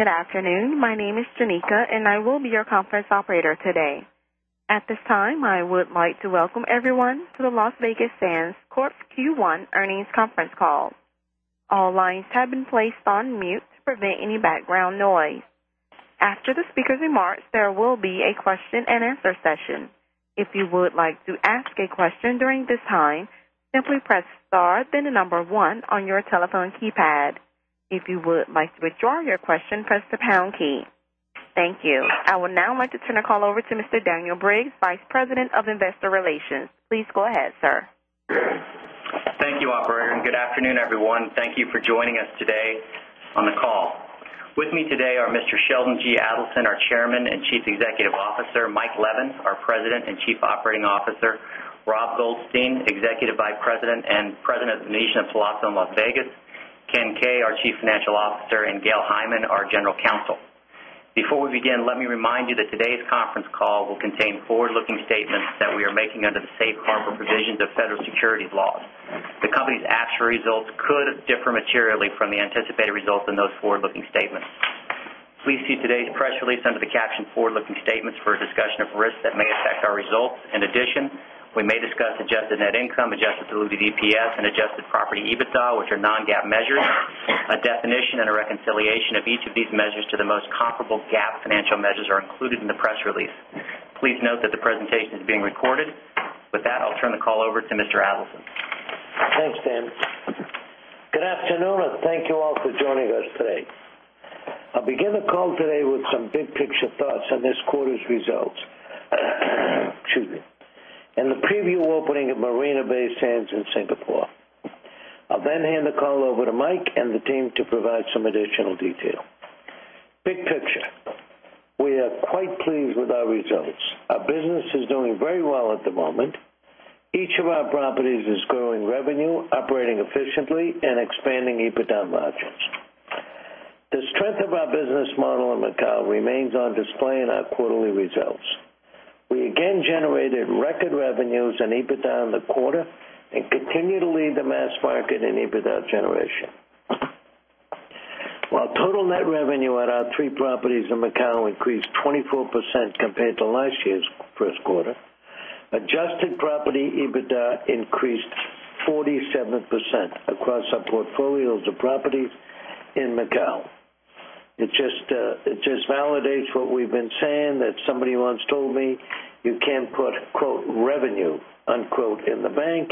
Good afternoon. My name is Janica, and I will be your conference operator today. At this time, I would like to welcome everyone to the Las Vegas Sands Corp. Q1 Earnings Conference Call. All lines have been placed on mute to prevent any background noise. After the speakers' remarks, there will be a question and answer session. Thank you. I would now like to turn the call over to Mr. Daniel Briggs, Vice President of Investor Relations. Please go ahead, sir. Thank you, operator, and good afternoon, everyone. Thank you for joining us today on the call. With me today are Mr. Sheldon G. Adelson, our Chairman and Chief Executive Officer Mike Levins, our President and Chief Operating Officer Rob Goldstein, Executive Vice President and President of Venetian at Palazzo in Las Vegas Ken Kaye, our Chief Financial Officer and Gail Hyman, our General Counsel. Before we begin, let me remind you that today's conference call will contain forward looking statements that we are making under the Safe Harbor provisions of federal securities laws. The company's actual results could differ materially from the anticipated results in those forward looking statements. Please see today's press release under the caption Forward Looking Statements for a discussion of risks that may affect our results. In addition, we may discuss adjusted net income, adjusted diluted EPS and adjusted property EBITDA, which are non GAAP measures. A definition and a reconciliation of each of these measures to the most comparable GAAP financial measures are included in the press release. Please note that the presentation is being recorded. With that, I'll turn the call over to Mr. Adelson. Thanks, Dan. Good afternoon and thank you all for joining us today. I'll begin the call today with some big picture thoughts on this quarter's results and the preview opening at Marina Bay Sands in Singapore. I'll then hand the call over to Mike and the team to provide some additional detail. Big picture, we are quite pleased with our results. Our business is doing very well at the moment. Each of our properties is growing revenue, operating efficiently and expanding EBITDA margins. The strength of our business model in our quarterly results. We again generated record revenues and EBITDA in the quarter and continue to lead the mass market in EBITDA generation. While total net revenue at our 3 properties in Macao increased 24% compared to last year's Q1, Adjusted property EBITDA increased 47% across our portfolios of properties in Macau. It just validates what we've been saying that somebody once told me, you can't put revenue in the bank,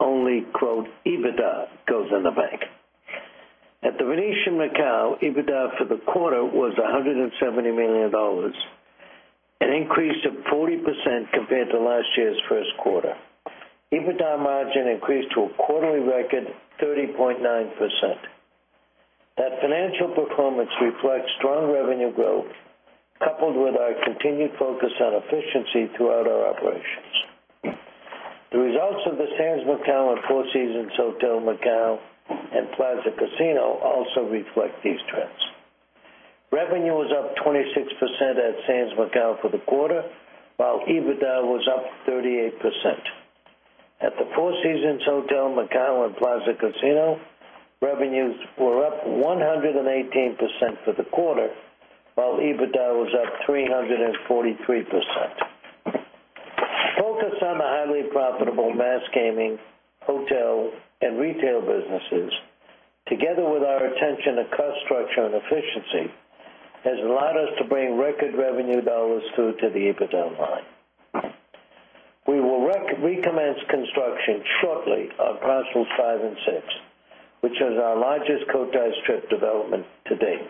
only EBITDA goes in the bank. At the Venetian Macau, EBITDA for the quarter was $170,000,000 an increase of 40% compared to last year's Q1. EBITDA margin increased to a quarterly record 30.9%. That financial performance reflects strong revenue growth coupled with our continued focus on efficiency throughout our operations. The results of the Sands Macau and Four Seasons Hotel Macau and Plaza Casino also reflect these trends. Revenue was up 26% at Sands Macau for the quarter, while EBITDA was up 38%. At the Four Seasons Hotel McConnell and Plaza Casino, revenues were up 118% for the quarter, while EBITDA was up 3 43%. Focus on highly profitable mass gaming, hotel and retail businesses, together with our attention to cost structure and efficiency, has allowed us to bring revenue dollars through to the EBITDA line. We will recommence construction shortly on Parcels 56, which is our largest Cotai Strip development to date.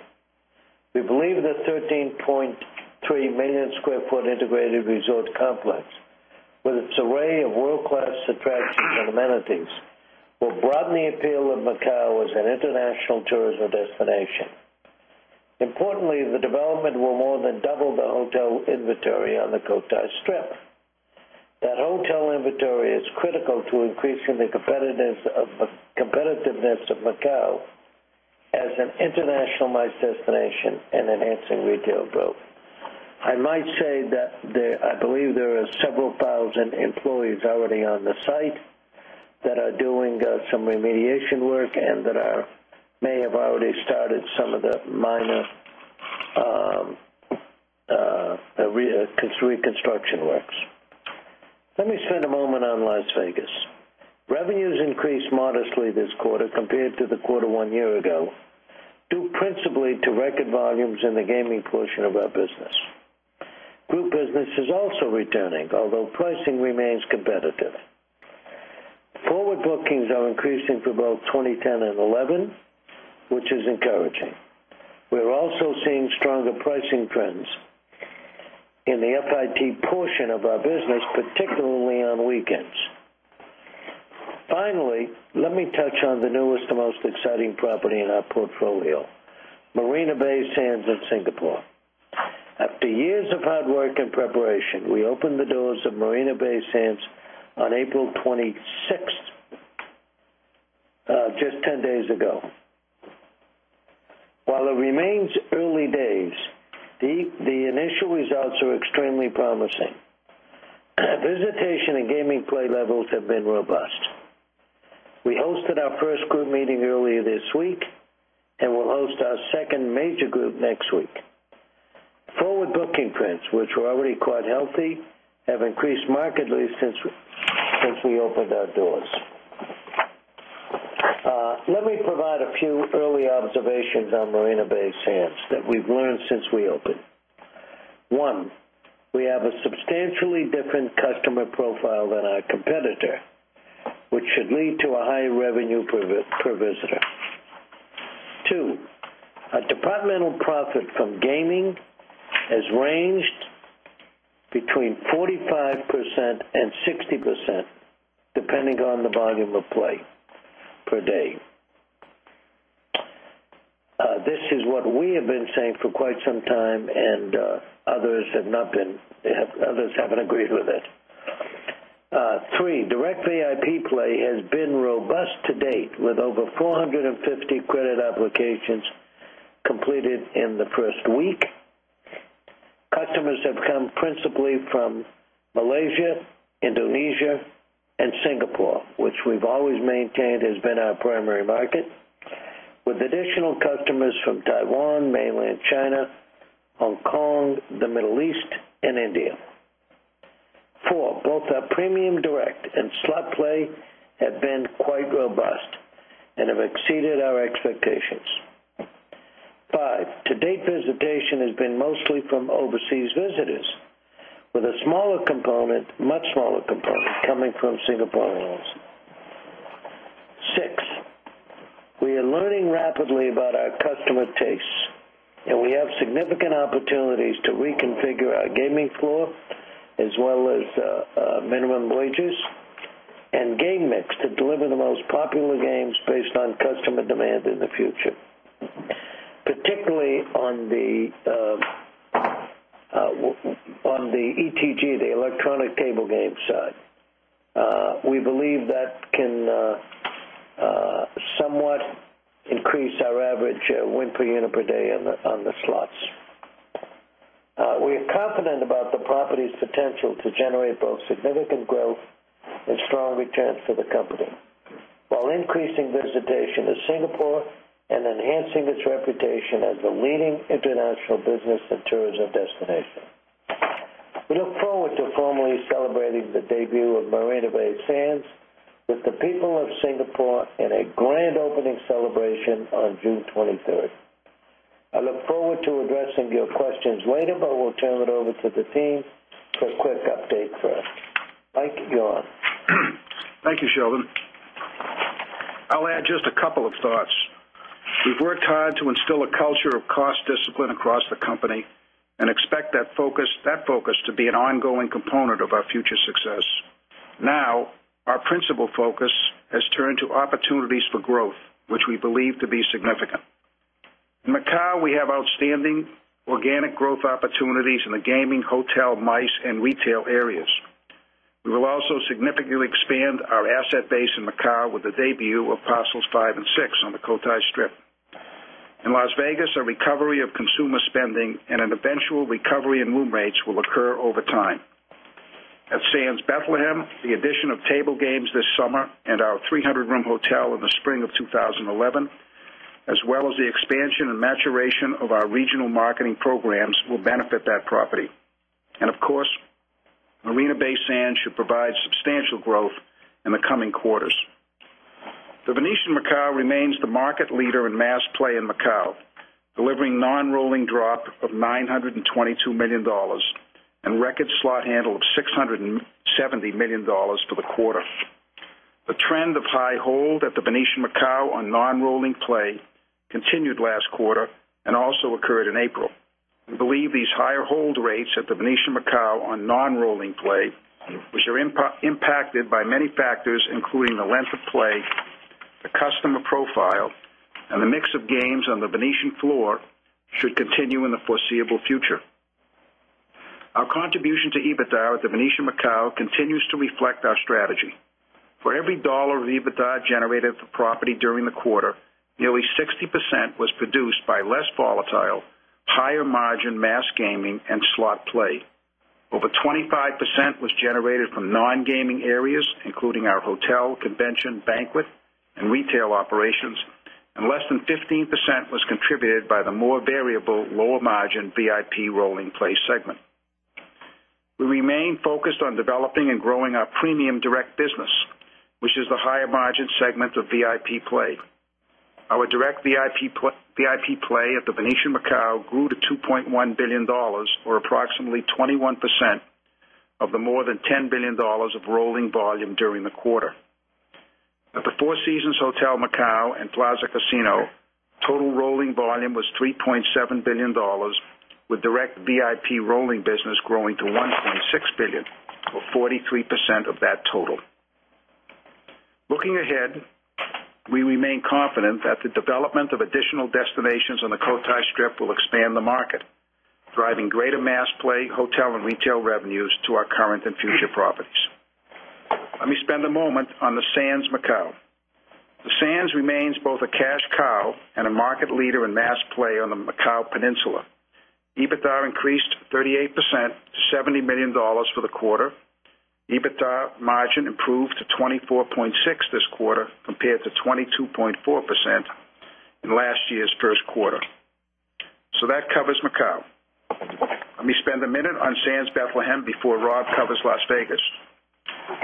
We believe the 13,300,000 Square Foot Integrated Resort Complex, with its array of world class attractions and amenities will broaden the appeal of Macau as an international tourism destination. Importantly, the development will more than double the hotel inventory on the Cotai Strip. That hotel inventory is critical to increasing the competitiveness of Macau as an internationalized destination and enhancing retail growth. I might say that I believe there are several 1,000 employees already on the site that are doing some remediation work and that are may have already started some of the minor reconstruction works. Let me spend a moment on Las Vegas. Revenues increased modestly this quarter compared to the quarter 1 year ago, due principally to record volumes in the gaming portion of our business. Group business is also returning, although pricing remains competitive. Forward bookings are increasing for both 2010 2011, which is encouraging. We are also seeing stronger pricing trends in the FIT portion of our business, particularly on weekends. Finally, let me touch on the newest and most exciting property in our portfolio, Marina Bay Sands in Singapore. After years of hard work and preparation, we opened the doors of Marina Base Sands on April 26, just 10 days ago. While it remains early days, the initial results are extremely promising. Visitation and gaming play levels have been robust. We hosted our 1st group meeting earlier this week and we'll host our 2nd major group next week. Forward booking prints, which were already quite healthy, have increased markedly since we opened our doors. Let me provide a few early observations on Marina Bay Sands that we've learned since we opened. One, we have a substantially different customer profile than our competitor, which should lead to a higher revenue per visitor. 2, our departmental profit from gaming has ranged between 45% 60% depending on the volume of play per day. This is what we have been saying for quite some time and others have not been others haven't agreed with it. 3, Direct VIP play has been robust to date with over 4 50 credit applications completed in the 1st week. Customers have come principally from Malaysia, Indonesia and Singapore, which we've always maintained has been our primary market, with additional customers from Taiwan, Mainland China, Hong Kong, the Middle East and India. 4, both our premium direct and slot play have been quite robust and have exceeded our expectations. 5, to date visitation has been mostly from overseas visitors with a smaller component, much smaller component coming from Singapore Airlines. 6, we are learning rapidly about our customer taste and we have significant opportunities to reconfigure our gaming floor as well as minimum wages and game mix to deliver the most popular games based on customer demand in the future. Particularly on the ETG, the electronic cable game side. We believe that can somewhat increase our average win per unit per day on the slots. We are confident about the property's potential to generate both significant growth and strong returns for the company. While increasing visitation to Singapore and enhancing its reputation as the leading international business and tourism destination. We look forward to formally celebrating the debut of Marina Bay Sands with the people of Singapore and a grand opening celebration on June 23. I look forward to addressing your questions later, but we'll turn it over to the team for a quick update for us. Mike, go on. Thank you, Sheldon. I'll add just a couple of thoughts. We've worked hard to instill a culture of cost discipline across the company and expect that focus to be an ongoing component of our future success. Now, our principal focus has turned to opportunities for growth, which we believe to be significant. In Macao, we have outstanding organic growth opportunities in the gaming, hotel, MICE and retail areas. We will also significantly expand our asset base in Macau with the debut of Parcels 56 on the Cotai Strip. In Las Vegas, a recovery of consumer spending and an eventual recovery in room rates will occur over time. At Sands Bethlehem, the addition of table games this summer and our 300 room hotel in the spring of 2011, as well as the expansion and maturation of our regional marketing programs will benefit that property. And of course, Marina Bay Sands should provide substantial growth in the coming quarters. The Venetian Macau remains the market leader in mass play in Macau, delivering non rolling drop of $922,000,000 and record slot handle of $670,000,000 for the quarter. The trend of high hold at the Venetian Macau on non rolling play continued last quarter and also occurred in April. We believe these higher hold rates at the Venetian Macau are non rolling play, which are impacted by many factors including the length of play, the customer profile and the mix of games on the Venetian floor should continue in the foreseeable future. Our contribution to EBITDA at the Venetian Macau continues to reflect our strategy. For every dollar of EBITDA generated at the property during the quarter, nearly 60% was produced by less volatile, higher margin mass gaming and slot play. Over 25% was generated from non gaming areas, including our hotel, convention, banquet and retail operations and less than 15% was contributed by the more variable lower margin VIP Rolling Place segment. We remain focused on developing and growing our premium direct business, which is the higher margin segment of VIP play. Our direct VIP play at the Venetian Macau grew to $2,100,000,000 or approximately 21% of the more than $10,000,000,000 of rolling volume during the quarter. At the Four Seasons Hotel Macau and Plaza Casino, total rolling volume was $3,700,000,000 with direct VIP rolling business growing to $1,600,000,000 or 43% of that total. Looking ahead, we remain confident that the development of additional destinations on the Cotai Strip will expand the market, driving greater mass play hotel and retail revenues to our current and future properties. Let me spend a moment on the Sands Macau. The Sands remains both a cash cow and a market leader in mass play on the Macau Peninsula. EBITDA increased 38%, to $70,000,000 for the quarter. EBITDA margin improved to 24.6% this quarter compared to 22.4% in last year's Q1. So that covers Macau. Let me spend a minute on Sands Bethlehem before Rob covers Las Vegas.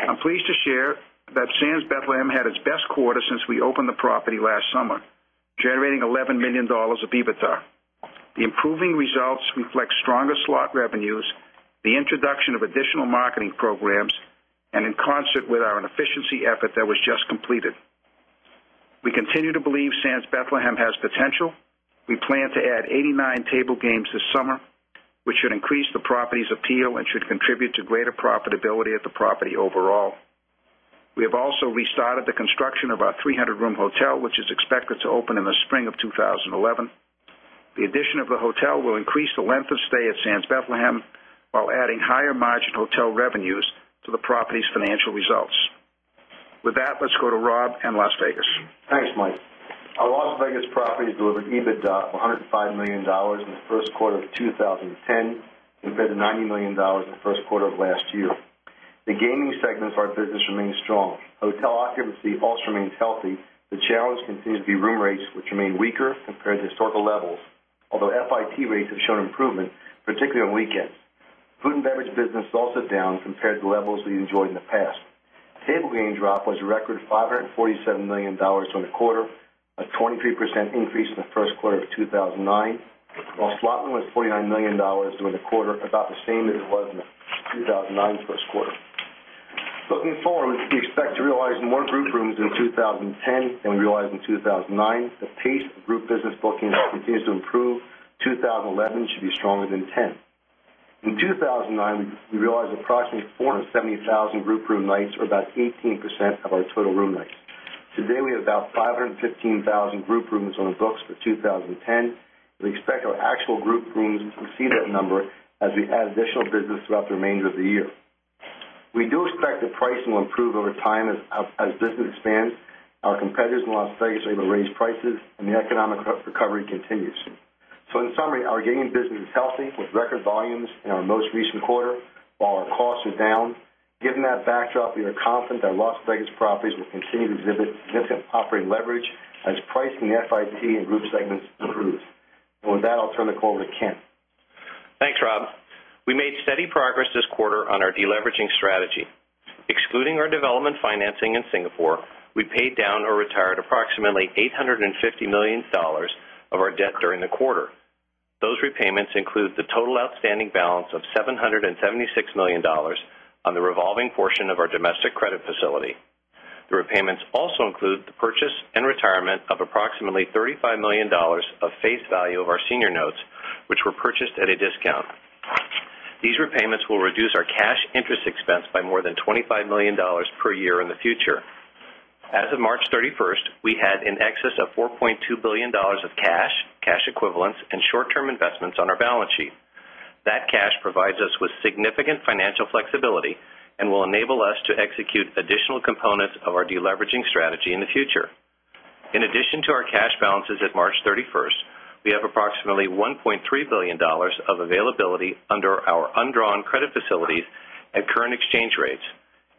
I'm pleased to share that Sands Bethlehem had its best quarter since we opened the property last summer, generating $11,000,000 of EBITDA. The improving results reflect stronger slot revenues, the introduction of additional marketing programs and in concert with our inefficiency effort that was just completed. We continue to believe Sands Bethlehem has potential. We plan to add 89 table games this summer, which should increase the property's appeal and should contribute to greater profitability at the property overall. We have also restarted the construction of our 300 room hotel, which is expected to open in the spring of 2011. The addition of the hotel will increase the length of stay at Sands Bethlehem, while adding higher margin hotel revenues to the property's financial results. With that, let's go to Rob in Las Vegas. Thanks, Mike. Our Las Vegas properties delivered EBITDA of $105,000,000 in the Q1 of 2010 compared to $90,000,000 in the Q1 of last year. The gaming segments of our business remains strong. Hotel occupancy also remains healthy. The challenge continues to be room rates, which remain weaker compared to historical levels, although FIT rates have shown improvement, particularly on weekends. Food and beverage business also down compared to levels we enjoyed in the past. Table gain drop was a record $547,000,000 during the quarter, a 23% increase in the Q1 of 2,009, while slot room was $49,000,000 during the quarter, about the same as it was in the 2,009 Q1. Looking forward, we expect to realize more group rooms in 2010 than realize in 2,009. The pace of group business bookings continues to improve, 2011 should be stronger than 2010. In 2009, we realized approximately 470,000 group room nights or about 18% of our total room nights. Today, we have about 515,000 group rooms on the books for 2010. We expect our actual group rooms to see that number as we add additional business throughout the remainder of the year. We do expect the pricing will improve over time as business expands, our competitors in Las Vegas are able to raise prices and the economic recovery continues. So in summary, our gaming business is healthy with record volumes in our most recent quarter, while our costs are down. Given that backdrop, we are confident that Las Vegas properties will continue to exhibit significant operating leverage as pricing FID and group segments improves. And with that, I'll turn the call over to Ken. Thanks, Rob. We made steady progress this quarter on our deleveraging strategy. Excluding our development financing in Singapore, we paid down or retired approximately $850,000,000 of our debt during the quarter. Those repayments include the total outstanding balance of $776,000,000 on the revolving portion of our domestic credit facility. The repayments also include the purchase and retirement of approximately $35,000,000 of face value of our senior notes, which were purchased at a discount. These repayments will reduce our cash interest expense by more than $25,000,000 per year in the future. As of March 31, we had in excess of $4,200,000,000 of cash, cash equivalents and short term investments on our balance sheet. That cash provides us with significant financial flexibility and will enable us to execute additional components of our deleveraging strategy in the future. In addition to our cash balances at March 31, we have approximately $1,300,000,000 of availability under our undrawn credit facilities at current exchange rates,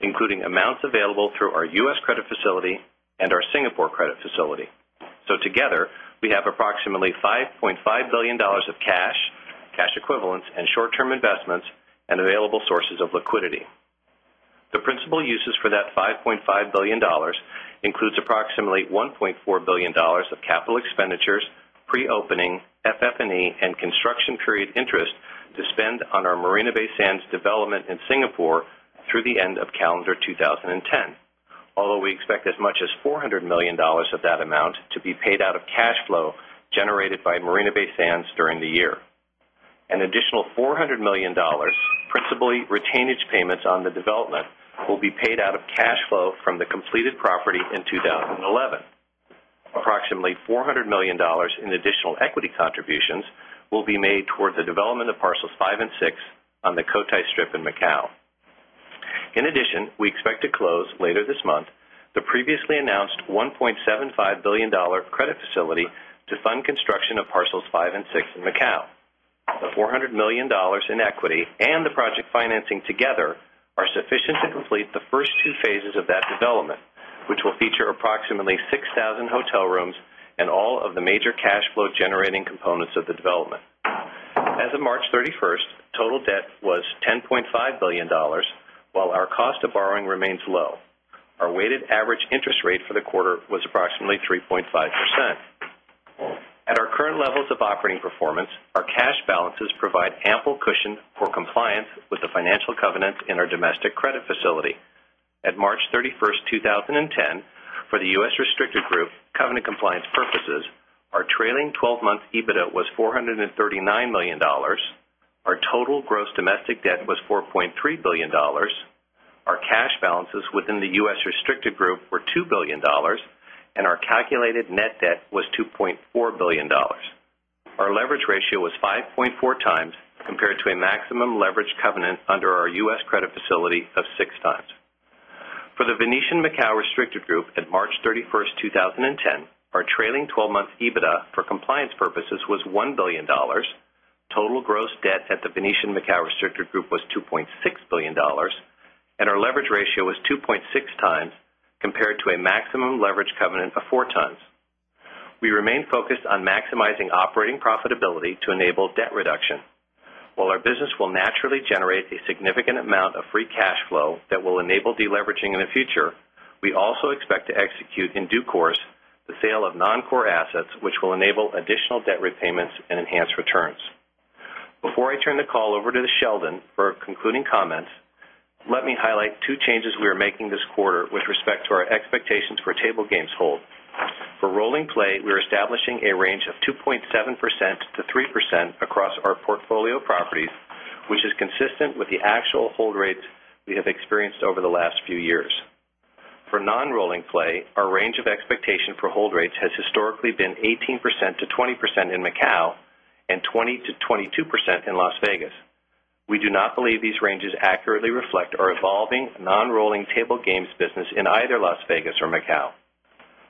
including amounts available through our U. S. Credit facility and our Singapore credit facility. So together, we have approximately $5,500,000,000 of cash, cash equivalents and short term investments and available sources of liquidity. The principal uses for that $5,500,000,000 includes approximately $1,400,000,000 of capital expenditures, pre opening, FF and E and construction period interest to spend on our Marina Bay Sands development in Singapore through the end of calendar 2010. Although we expect as much as $400,000,000 of that amount to be paid out of cash flow generated by Marina Bay Sands during the year. An additional $400,000,000 principally retainage payments on the development will be paid out of cash flow from the completed property in 2011. Approximately $400,000,000 in additional equity contributions will be made towards the development of Parcels 56 on the Cotai Strip in Macau. In addition, we expect to close later this month the previously announced $1,750,000,000 credit facility to fund construction of Parcels 56 in Macau. The $400,000,000 in equity and the project financing together are sufficient to complete the first two phases of that development, which will feature approximately 6,000 hotel rooms and all of the major cash flow generating components of the development. As of March 31, total debt was $10,500,000,000 while our cost of borrowing remains low. Our weighted average interest rate for the quarter was approximately 3.5%. At our current levels of operating performance, our cash balances provide ample cushion for compliance with the financial covenants in our domestic credit facility. At March 31, 2010, for the U. S. Restricted group covenant compliance purposes, our trailing 12 month EBITDA was $439,000,000 our total gross domestic debt was $4,300,000,000 our cash balances within the U. S. Restricted group were $2,000,000,000 and our calculated net debt was $2,400,000,000 Our leverage ratio was 5.4 times compared to a maximum leverage covenant under our U. S. Credit facility of 6 times. For the Venetian Macau Restricted Group at March 31, 2010, our trailing 12 month EBITDA for compliance purposes was $1,000,000,000 total gross debt at the Venetian Macau Restricted Group was $2,600,000,000 and our leverage ratio was 2.6 times compared to a maximum leverage covenant of 4 tons. We remain focused on maximizing operating profitability to enable debt reduction. While our business will naturally generate a significant amount of free cash flow that will enable deleveraging in the future, we also expect to execute in due course the sale of non core assets, which will enable additional debt repayments and enhance returns. Before I turn the call over to Sheldon for concluding comments, let me highlight 2 changes we are making this quarter with respect to our expectations for table games hold. For rolling play, we are establishing a range of 2.7% to 3% across our portfolio properties, which is consistent with the actual hold rates we have experienced over the last few years. For non rolling play, our range of expectation for hold rates has historically been 18% to 20% in Macau and 20% to 22% in Las Vegas. We do not believe these ranges accurately reflect our evolving non rolling table games business in either Las Vegas or Macau.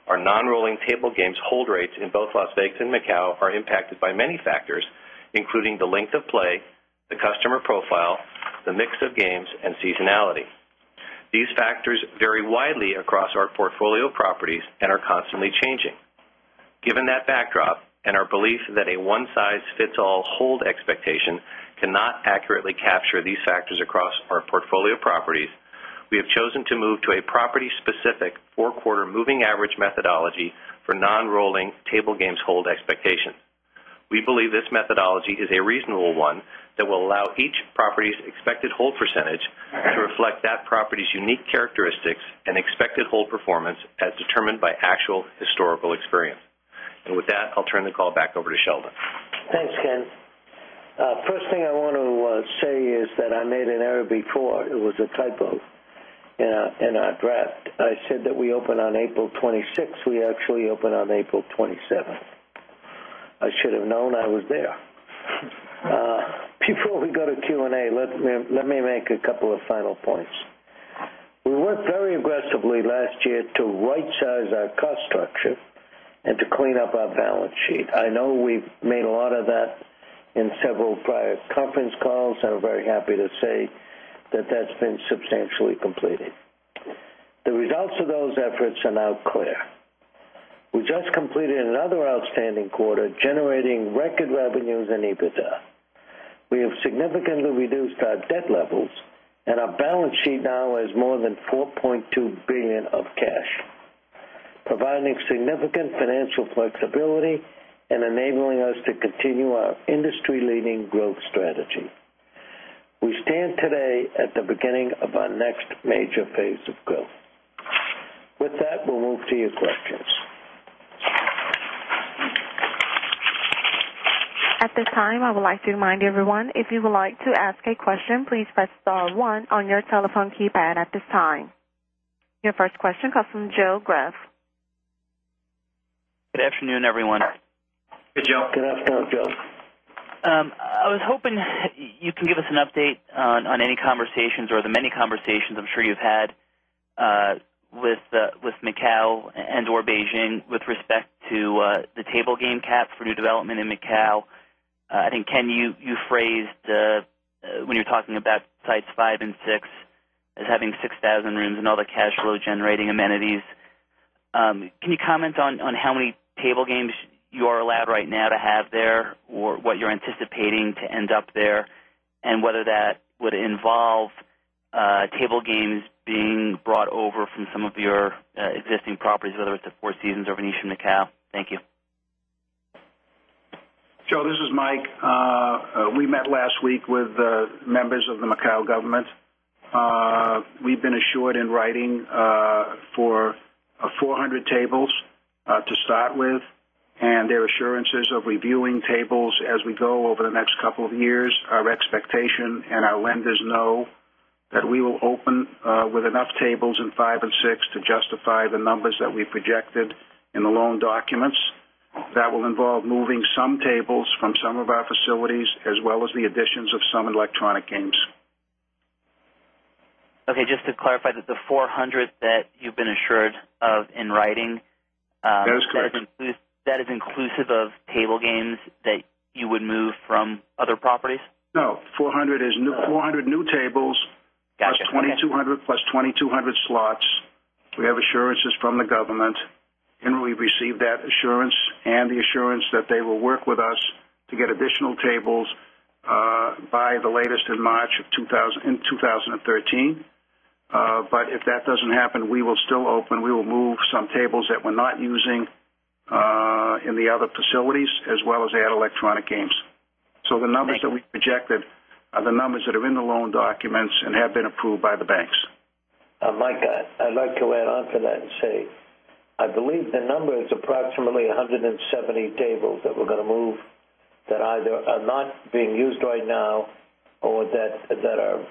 Our non rolling table games hold rates in both Las Vegas and Macau are impacted by many factors, including the length of play, the customer profile, the mix of games and seasonality. These factors vary widely across our portfolio properties and are constantly changing. Given that backdrop and our belief that a one size fits all hold expectation cannot accurately capture these factors across our portfolio properties, we have chosen to move to a property specific 4 quarter moving average methodology for non rolling table games hold expectation. We believe this methodology is a reasonable one that will allow each property's expected hold percentage to reflect that property's unique characteristics and expected hold performance as determined by actual historical experience. And with that, I'll turn the call back over to Sheldon. Thanks, Ken. First thing I want to say is that I made an error before. It was a typo in our draft. I said that we opened on April 26. We actually opened on April 27. I should have known I was there. Before we go to Q and A, let me make a couple of final points. We worked very aggressively last year to right size our cost structure and to clean up our balance sheet. I know we've made a lot of that in several prior conference calls. I'm very happy to say that that's been substantially completed. The results of those efforts are now clear. We just completed another outstanding quarter generating record revenues and EBITDA. We have significantly reduced our debt levels and our balance sheet now has more than $4,200,000,000 of cash, providing significant financial flexibility and enabling us to continue our industry leading growth strategy. We stand today at the beginning of our next major phase of growth. With that, we'll move to your questions. Your first question comes from Joe Greff. Good afternoon, everyone. Hey, Joe. Good afternoon, Joe. I was hoping you can give us an update on any conversations or the many conversations I'm sure you've had with Macau and or Beijing with respect to the table game cap for new development in Macau. I think Ken you phrased when you're talking about sites 56 as having 6,000 rooms and all the cash flow generating amenities. Can you comment on how many table games you are allowed right now to have there or what you're anticipating to end up there? And whether that would involve table games being brought over from some of your existing properties, whether it's the Four Seasons or Venetian Macau? Thank you. Joe, this is Mike. We met last week with members of the Macau government. We've been assured in writing for 400 tables to start with and their assurances of reviewing tables as we go over the next couple of years. Our expectation and our lenders know that we will open with enough tables in 56 to justify the numbers that we projected in the loan documents. That will involve moving some tables from some of our facilities as well as the additions of some electronic games. Okay. Just to clarify that the $400,000,000 that you've been assured of in writing, that is inclusive of table games that you would move from other properties? No. 400 new tables plus 2,200 slots. We have assurances from the government and we've received that assurance and the assurance that they will work with us to get additional tables by the latest in March of 2013. But if that doesn't happen, we will still open. We will move some tables that we're not using in the other facilities as well as add electronic games. So the numbers that we projected are the numbers that are in the loan documents and have been approved by the banks. Mike, I'd like to add on to that and say, I believe the number is approximately 170 tables that we're going to move that either are not being used right now or that are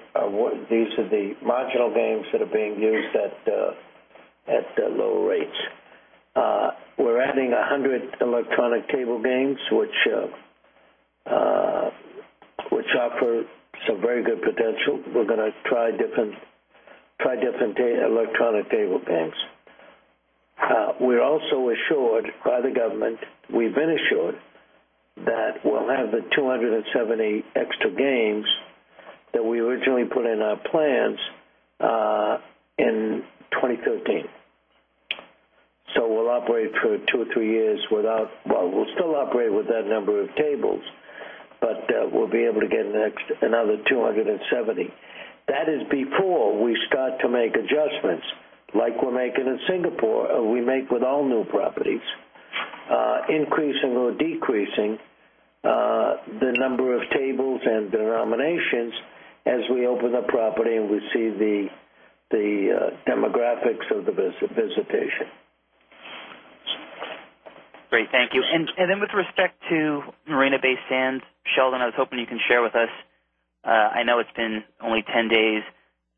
these are the marginal games that are being used at low rates. We're adding 100 electronic cable games, which offer some very good potential. We're going to try different electronic cable games. We're also assured by the government, we've been assured that we'll have the 270 extra games that we originally put in our plans in 2013. So we'll operate for 2 or 3 years without we'll still operate with that number of tables, but we'll be able to get another 270. That is before we start to make adjustments like we're making in Singapore, we make with all new properties, increasing or decreasing the number of tables and denominations as we open the property and we see the demographics of the visitation. Great. Thank you. And then with respect to Marina Bay Sands, Sheldon, I was hoping you can share with us, I know it's been only 10 days,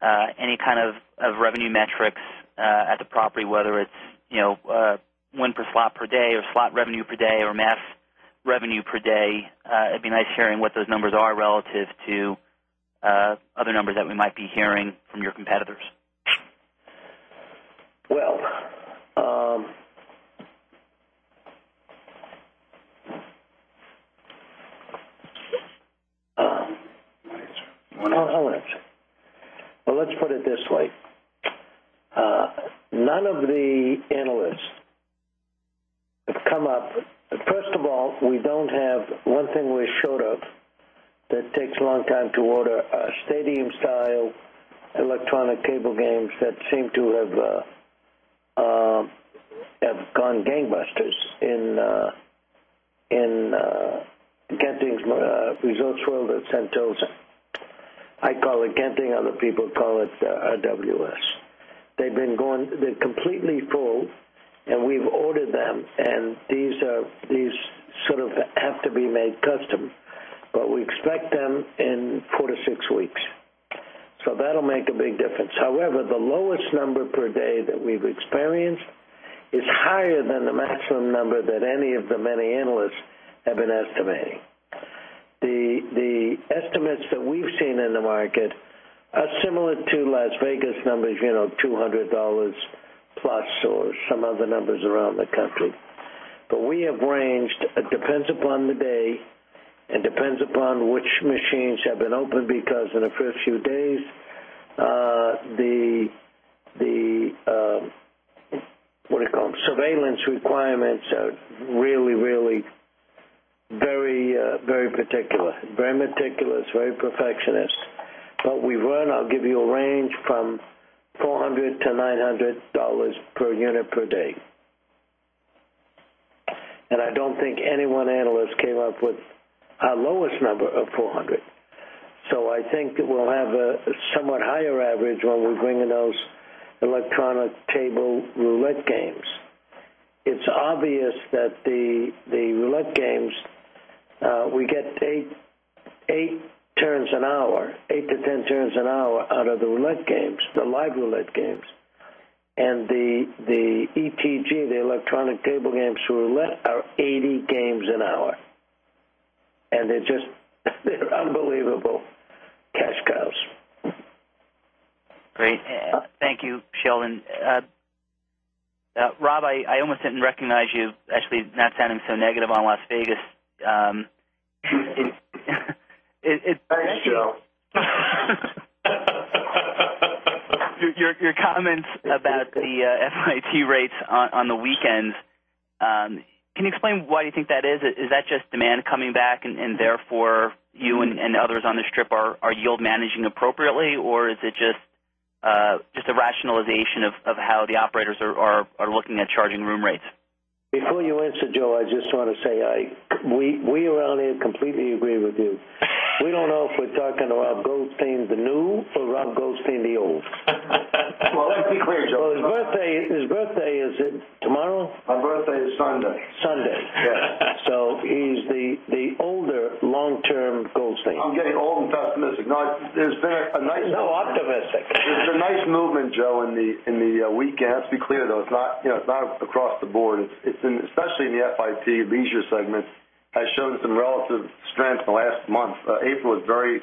any kind of revenue metrics at the property, whether it's 1 per slot per day or slot revenue per day or mass revenue per day, it'd be nice sharing what those numbers are relative to other numbers that we might be hearing from your competitors? Well, Well, let's put it this way. None of the analysts have come up. First of all, we don't have one thing we showed up that takes a long time to order, stadium style electronic cable games that seem to have gone gangbusters in Kenting's results world at Sentosa. I call it Kenting, other people call it AWS. They've been gone they're completely full and we've ordered them and these are these sort of have to be made custom, but we expect them in 4 to 6 weeks. So that will make a big difference. However, the lowest number per day that we've experienced is higher than the maximum number that any of the many analysts have been estimating. The estimates that we've seen in the market are similar to Las Vegas numbers, dollars 200 plus or some other numbers around the country. But we have ranged, it depends upon the day and depends upon which machines have been opened because in the first few days, the what do you call them, surveillance requirements are really, really very, very particular, very meticulous, very perfectionist. But we've run, I'll give you a range from $400 to $900 per unit per day. And I don't think any one analyst came up with our lowest number of 400. So I think we'll have a somewhat higher average while we're bringing those electronic table roulette games. It's obvious that the roulette games, we get 8 turns an hour, 8 to 10 turns an hour out of the roulette games, the live roulette games. And the ETG, the electronic table games, who are let are 80 games an hour. And they're just they're unbelievable cash cows. Great. Thank you, Sheldon. Rob, I almost didn't recognize you actually not sounding so negative on Las Vegas. Thanks, Joe. Your comments about the FIT rates on the weekends, can you explain why you think that is? Is that just demand coming back and therefore you and others on the strip are yield managing appropriately? Or is it just a rationalization of how the operators are looking at charging room rates? Before you answer, Joe, I just want to say, we are only completely agree with you. We don't know if we're talking to Rob Goldstein the new or Rob Goldstein the old. Well, to be clear, Joe. His birthday is tomorrow? My birthday is Sunday. Sunday. Yes. So he's the older long term goal statement. I'm getting old and pessimistic. Now there's been a nice No, I'm domestic. There's a nice movement, Joe, in the weekend. Let's be clear, though, it's not across the board. It's in especially in the FIT Leisure segment. I showed some relative strength in the last month. April is very,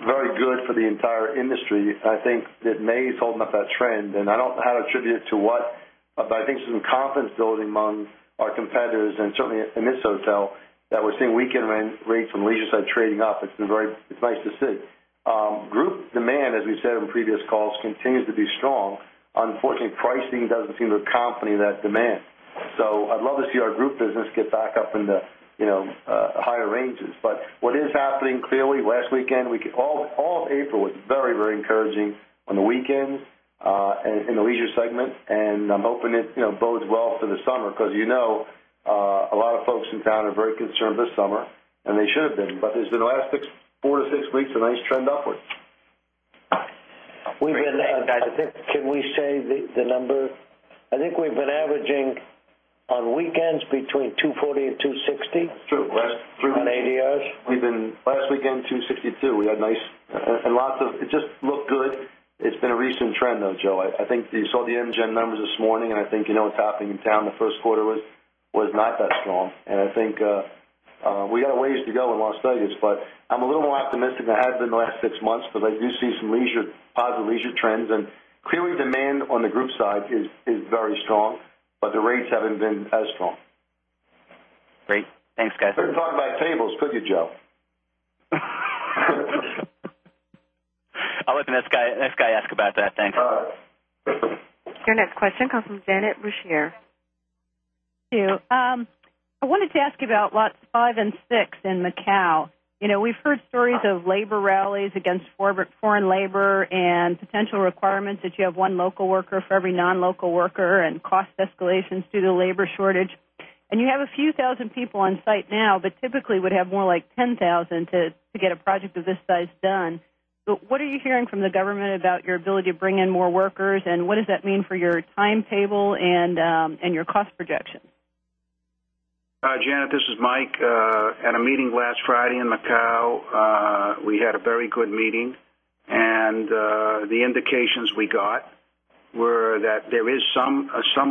very good for the entire industry. I think that May is holding up that trend. And I don't know how to attribute it to what, but I think some confidence building among our competitors and certainly in this hotel that we're seeing weakened rates from leisure side trading up. It's been very it's nice to see. Group demand, as we said in previous calls, continues to be strong. Unfortunately, pricing doesn't seem to accompany that demand. So I'd love to see our group business get back up in the higher ranges. But what is happening clearly last weekend, we could all of April was very, very encouraging on the weekends and in the leisure segment. And I'm hoping it bodes well for the summer because you know a lot of folks in town are very concerned this summer and they should have been. But is it the last 4 to 6 weeks a nice trend upward? Can we say the number? I think we've been averaging on weekends between 2.40 and 2.60. True. Last week in 2.62. We had nice and lots of it just looked good. It's been a recent trend though, Joe. I think you saw the engine numbers this morning and I think what's happening in town in the Q1 was not that strong. And I think we got ways to go in a lot of studies, but I'm a little more optimistic than it has been in the last 6 months, but I do see some leisure positive leisure trends and clearly demand on the group side is very strong, but the rates haven't been as strong. Great. Thanks guys. You're talking about tables, could you Joe? I'll let the next guy ask about that. Thanks. Your next question comes from Janet Roussier. I wanted to ask you about lots 56 in Macau. We've heard stories of labor rallies against foreign labor and potential requirements that you have one local worker for every non local worker and cost escalations due to labor shortage. And you have a few 1,000 people on-site now, but typically would have more like 10,000 to get a project of this size done. What are you hearing from the government about your ability to bring in more workers? And what does that mean for your timetable and your cost projections? Janet, this is Mike. At a meeting last Friday in Macau, we had a very good meeting. And the indications we got were that there is some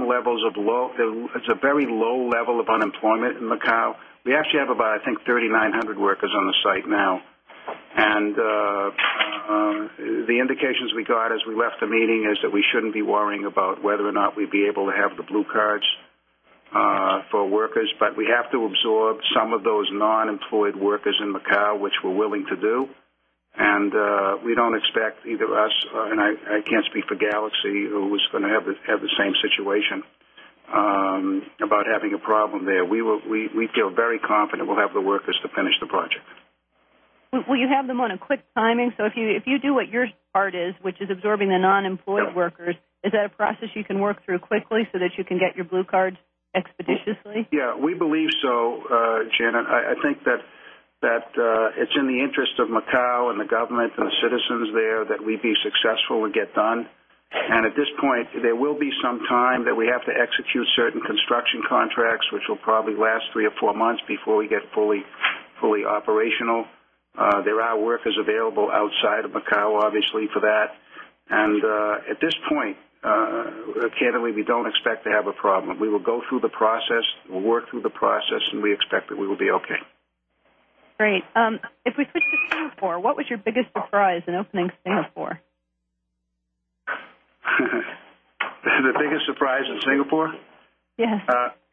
levels of low it's a very low level of unemployment in Macau. We actually have about, I think, 3,900 workers on the site now. And the indications we got as we left the meeting is that we shouldn't be worrying about whether or not we'd be able to have the blue cards for workers, but we have to absorb some of those non employed workers in Macau, which we're willing to do. And we don't expect either us and I can't speak for Galaxy who is going to have the same situation about having a problem there. We feel very confident we'll have the workers to finish the project. Will you have them on a quick timing? So if you do what your part is, which is absorbing the nonemployed workers, is that a process you can work through quickly so that you can get your blue cards expeditiously? Yes. We believe so, Janet. I think that it's in the interest of Macau and the government and the citizens there that we'd be successful and get done. And at this point, there will be some time that we have to execute certain construction contracts, which will probably last 3 or 4 months before we get fully operational. There are workers available outside of Macau obviously for that. And at this point, candidly, we don't expect to have a problem. We will go through The biggest surprise in Singapore? Yes.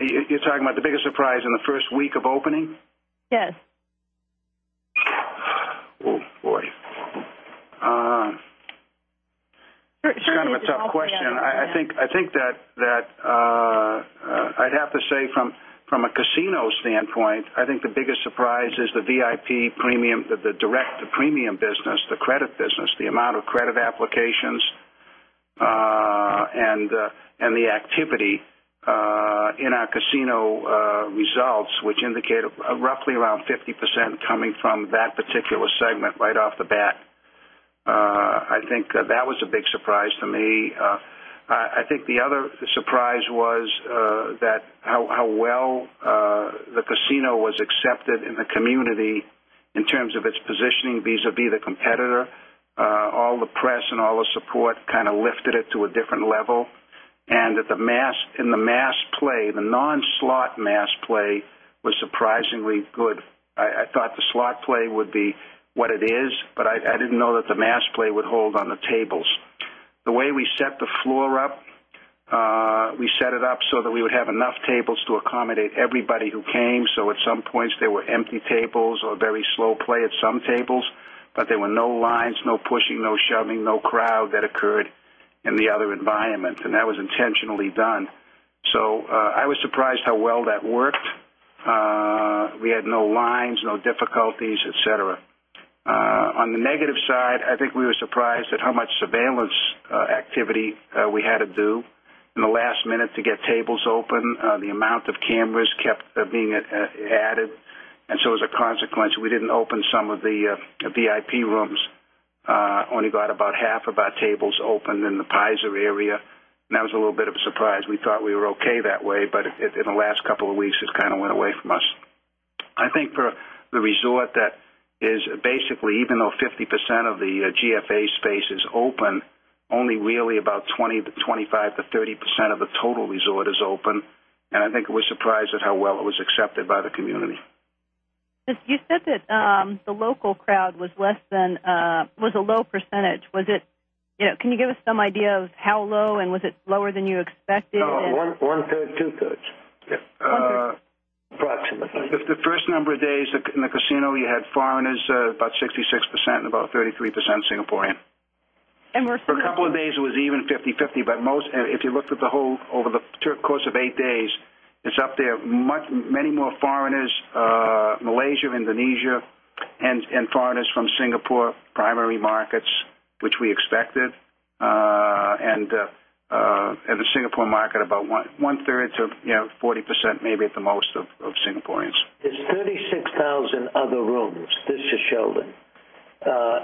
You're talking about the biggest surprise in the 1st week of opening? Yes. Oh, boy. It's kind of a tough question. I think that I'd have to say from a casino standpoint, I think the biggest surprise is the VIP premium the direct premium business, the credit business, the amount of credit applications and the activity in our casino results, which indicate roughly around 50% coming from that particular segment right off the bat. I think that was a big surprise to me. I think the other surprise was that how well the casino was accepted in the community in terms of its positioning visavis the competitor. All the press and all the support kind of lifted it to a different level. And in the mass play, the non slot mass play was surprisingly good. I thought the slot play would be what it is, but I didn't know that the mass play would hold on the tables. The way we set the floor up, we set it up so that we would have enough tables to accommodate everybody who came. So at some points, they were empty tables or very slow play at some tables, but there were no lines, no pushing, no shoving, no crowd that occurred in the other environment and that was intentionally done. So I was surprised how well that worked. We had no lines, no difficulties, etcetera. On the negative side, I think we were surprised at how much surveillance activity we had to do in the last minute to get tables open. The amount cameras kept being added. And so as a consequence, we didn't open some of the VIP rooms, only got about half of our tables opened in the Peizer area and that was a little bit of a surprise. We thought we were okay that way, but in the last couple of weeks, it's kind of went away from us. I think for the resort that is basically even though 50% of the GFA space is open, only really about 20% to 25% to 30% of the total resort is open. And I think we're surprised at how well it was accepted by the community. You said that, the local crowd was less than, was a low percentage. Was it can you give us some idea of how low and was it lower than you expected? 1 third, 2 thirds approximately. The first number of days in the casino, you had foreigners about 66 percent and about 33 percent Singaporean. For a couple of days, it was even fifty-fifty, but most if you looked at the whole over the course of 8 days, it's up there. Many more foreigners, Malaysia, Indonesia and foreigners from Singapore primary markets, which we expected and the Singapore market about 1 third to 40% maybe at the most of Singaporeans. There's 36,000 other rooms, this is Sheldon,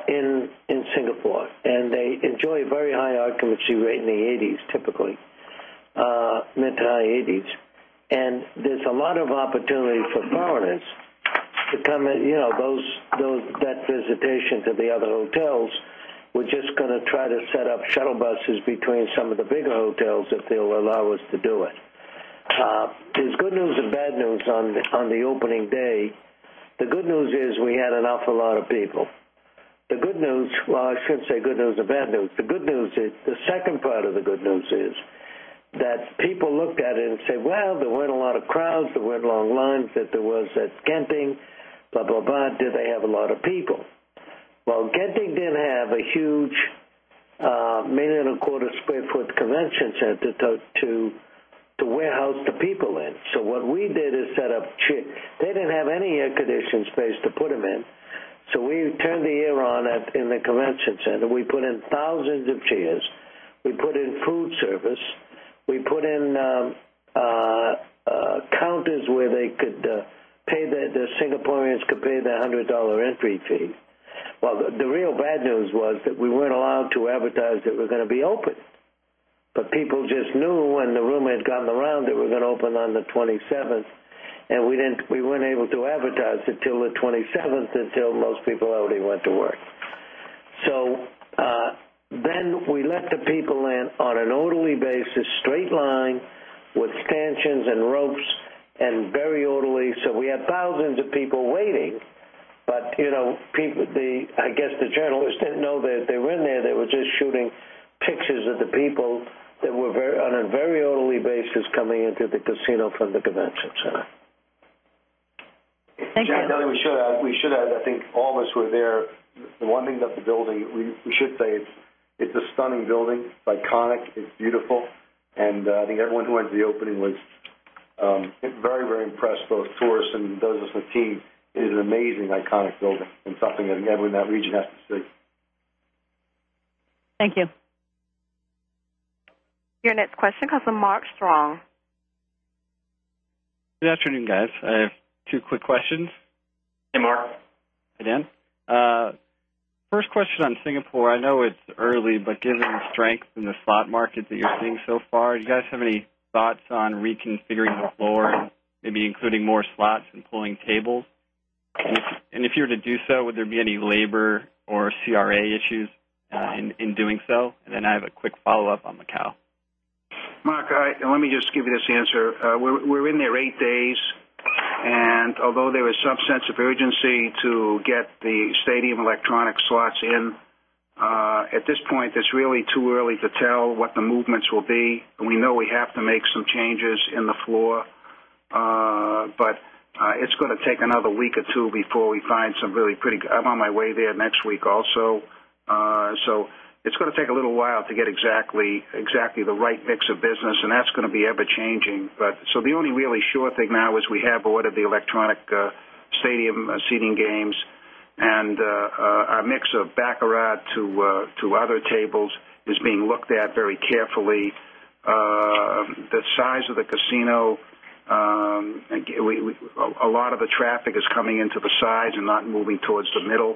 in Singapore. And they enjoy very high occupancy rate in the 80s typically, mid to high 80s. And there's a lot of opportunity for foreigners to come that visitation to the other hotels. We're just going to try to set up shuttle buses between some of the bigger hotels if they will allow us to do it. There's good news and bad news on the opening day. The good news is we had an awful lot of people. The good news well, I shouldn't say good news or bad news. The good news is the second part of the good news is that people looked at it and said, well, there weren't a lot of crowds, there weren't long lines that there was at Genting, blah, blah, blah, did they have a lot of people? Well, Genting didn't have a huge 1.25 square foot convention center to warehouse the people in. So what we did is set up chairs. They didn't have any air conditioned space to put them in. So we turned the air on in the convention center. We put in thousands of chairs. We put in food service. We put in counters where they could pay the Singaporeans could pay the $100 entry fee. Well, the real bad news was that we weren't allowed to advertise that we're going to be open. But people just knew when the rumor had gotten around that we're going to open on the 20 7th. And we didn't we weren't able to advertise until 27th until most people already went to work. So then we let the people in on an orderly basis, straight line with stantions and ropes and very orderly. So we have thousands of people waiting. But I guess the journalists didn't know that they were in there. They were just shooting pictures of the people that were on a very orderly basis coming into the casino from the convention center. We should add, I think all of us were there. The one thing that the building we should say it's a stunning building, iconic, it's beautiful. And I think everyone who entered the opening was very, very impressed both for us and those of the team is an amazing iconic building and something that everyone in that region has to see. Thank you. Your next question comes from Mark Strong. Good afternoon, guys. I have two quick questions. Hey, Mark. Hi, Dan. First question on Singapore. I know it's early, but given the strength in the slot market that you're seeing so far, do you guys have any thoughts on reconfiguring the floor, maybe including more slots and pulling tables? And if you were to do so, would there be any labor or CRA issues in doing so? And then I have a quick follow-up on Macao. Mark, let me just give you this answer. We're in there 8 days. And although there is some sense of urgency to get the stadium electronic slots in, at this point, it's really too early to tell what the movements will be. We know we have to make some changes in the floor, but it's going to take another week or 2 before we find some really pretty I'm on my way there next week also. So it's going to take a little while to get exactly the right mix of business and that's going to be ever changing. But so the only really sure thing now is we have ordered the electronic stadium seating games and our mix of baccarat to other tables is being looked at very carefully. The size of the casino, A lot of the traffic is coming into the sides and not moving towards the middle.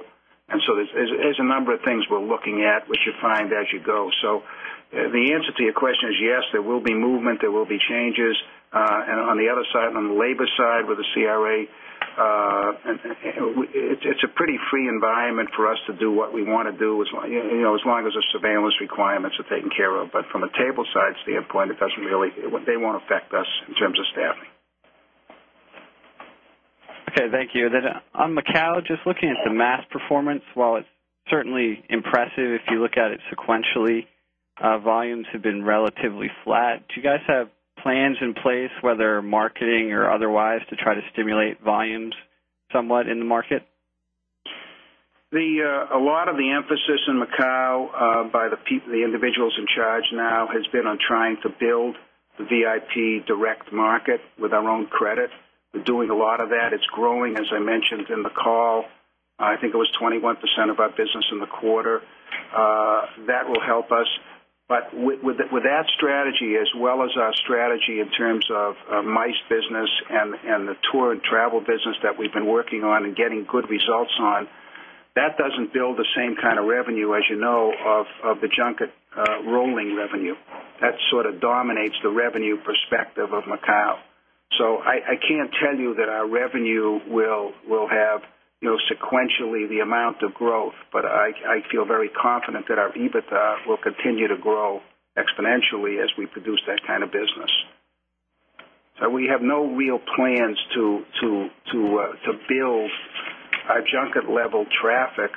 And so there's a number of things we're looking at, which you find as you go. So the answer to your question is yes, there will be movement, there will be changes. And on the other side, on the labor side with the CRA, it's a pretty free environment for us to do what we want to do as long as the surveillance requirements are taken care of. But from a table side standpoint, it doesn't really they won't affect us in terms of staffing. Okay. Thank you. Then on Macau, just looking at the mass performance, while it's certainly impressive if you look at it sequentially, volumes have been relatively flat. Do you guys have plans in place whether marketing or otherwise to try to stimulate volumes somewhat in the market? A lot of the emphasis in Macau by the individuals in charge now has been on trying to build the VIP direct market with our own credit. We're doing a lot of that. It's growing as I mentioned in the call. I think it was 21% of our business in the quarter. That will help us. But with that strategy as well as our strategy in terms of MICE business and the tour and travel business that we've been working on and getting good results on, that doesn't build the same kind of revenue as you know of the junket rolling revenue. That sort of dominates the revenue perspective of Macao. So I can't tell you that our revenue will have sequentially the amount of growth, but I feel very confident that our EBITDA will continue to grow exponentially as we produce that kind of business. So we have no real plans to build our junket level traffic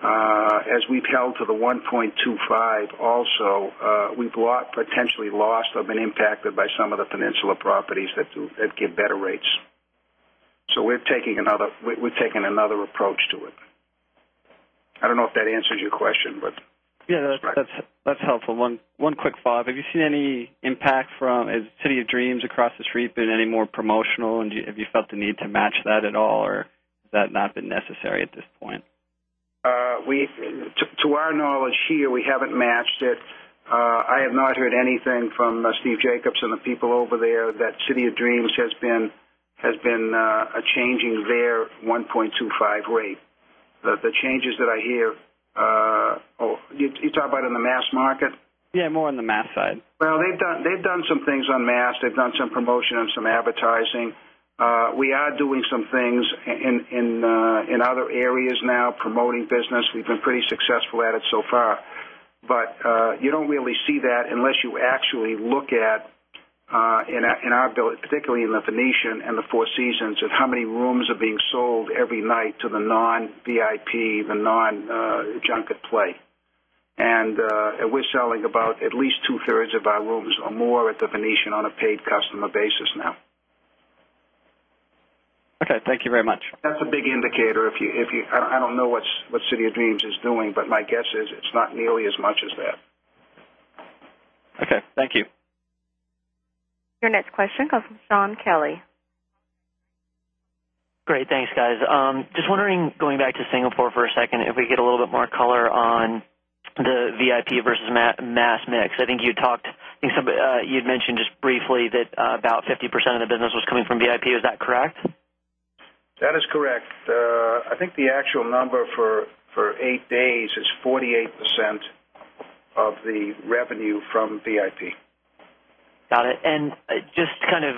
as we've held to the 1.25 also we've bought potentially loss have been impacted by some of the Peninsula properties that give better rates. So we're taking another approach to it. I don't know if that answers your question, but Yes, that's helpful. One quick follow-up. Have you seen any impact from has City of Dreams across the street been any more promotional? And have you felt the need to match that at all? Or has that not been necessary at this point? To our knowledge here, we haven't matched it. I have not heard anything from Steve Jacobs and the people over there that City of Dreams has been changing their 1.25 rate. The changes that I hear you talk about on the mass market? Yes, more on the mass side. Well, they've done some things on mass. They've done some promotion and some advertising. We are doing some things in other areas now promoting business. We've been pretty successful at it so far. But you don't really see that unless you actually look at in our ability particularly in The Venetian and the Four Seasons of how many rooms are being sold every night to the non VIP, the non junk at play. And we're selling about at least 2 thirds of our rooms or more at The Venetian on a paid customer basis now. Okay. Thank you very much. That's a big indicator if you I don't know what City of Dreams is doing, but my guess is it's not nearly as much as that. Okay. Thank you. Your next question comes from Shaun Kelley. Great. Thanks guys. Just wondering going back to Singapore for a second, if we get a little bit more color on the VIP versus mass mix. I think you talked you had mentioned just briefly that about 50% of the business was coming from VIP. Is that correct? That is correct. I think the actual number for 8 days is 48% of the revenue from VIP. Got it. And just kind of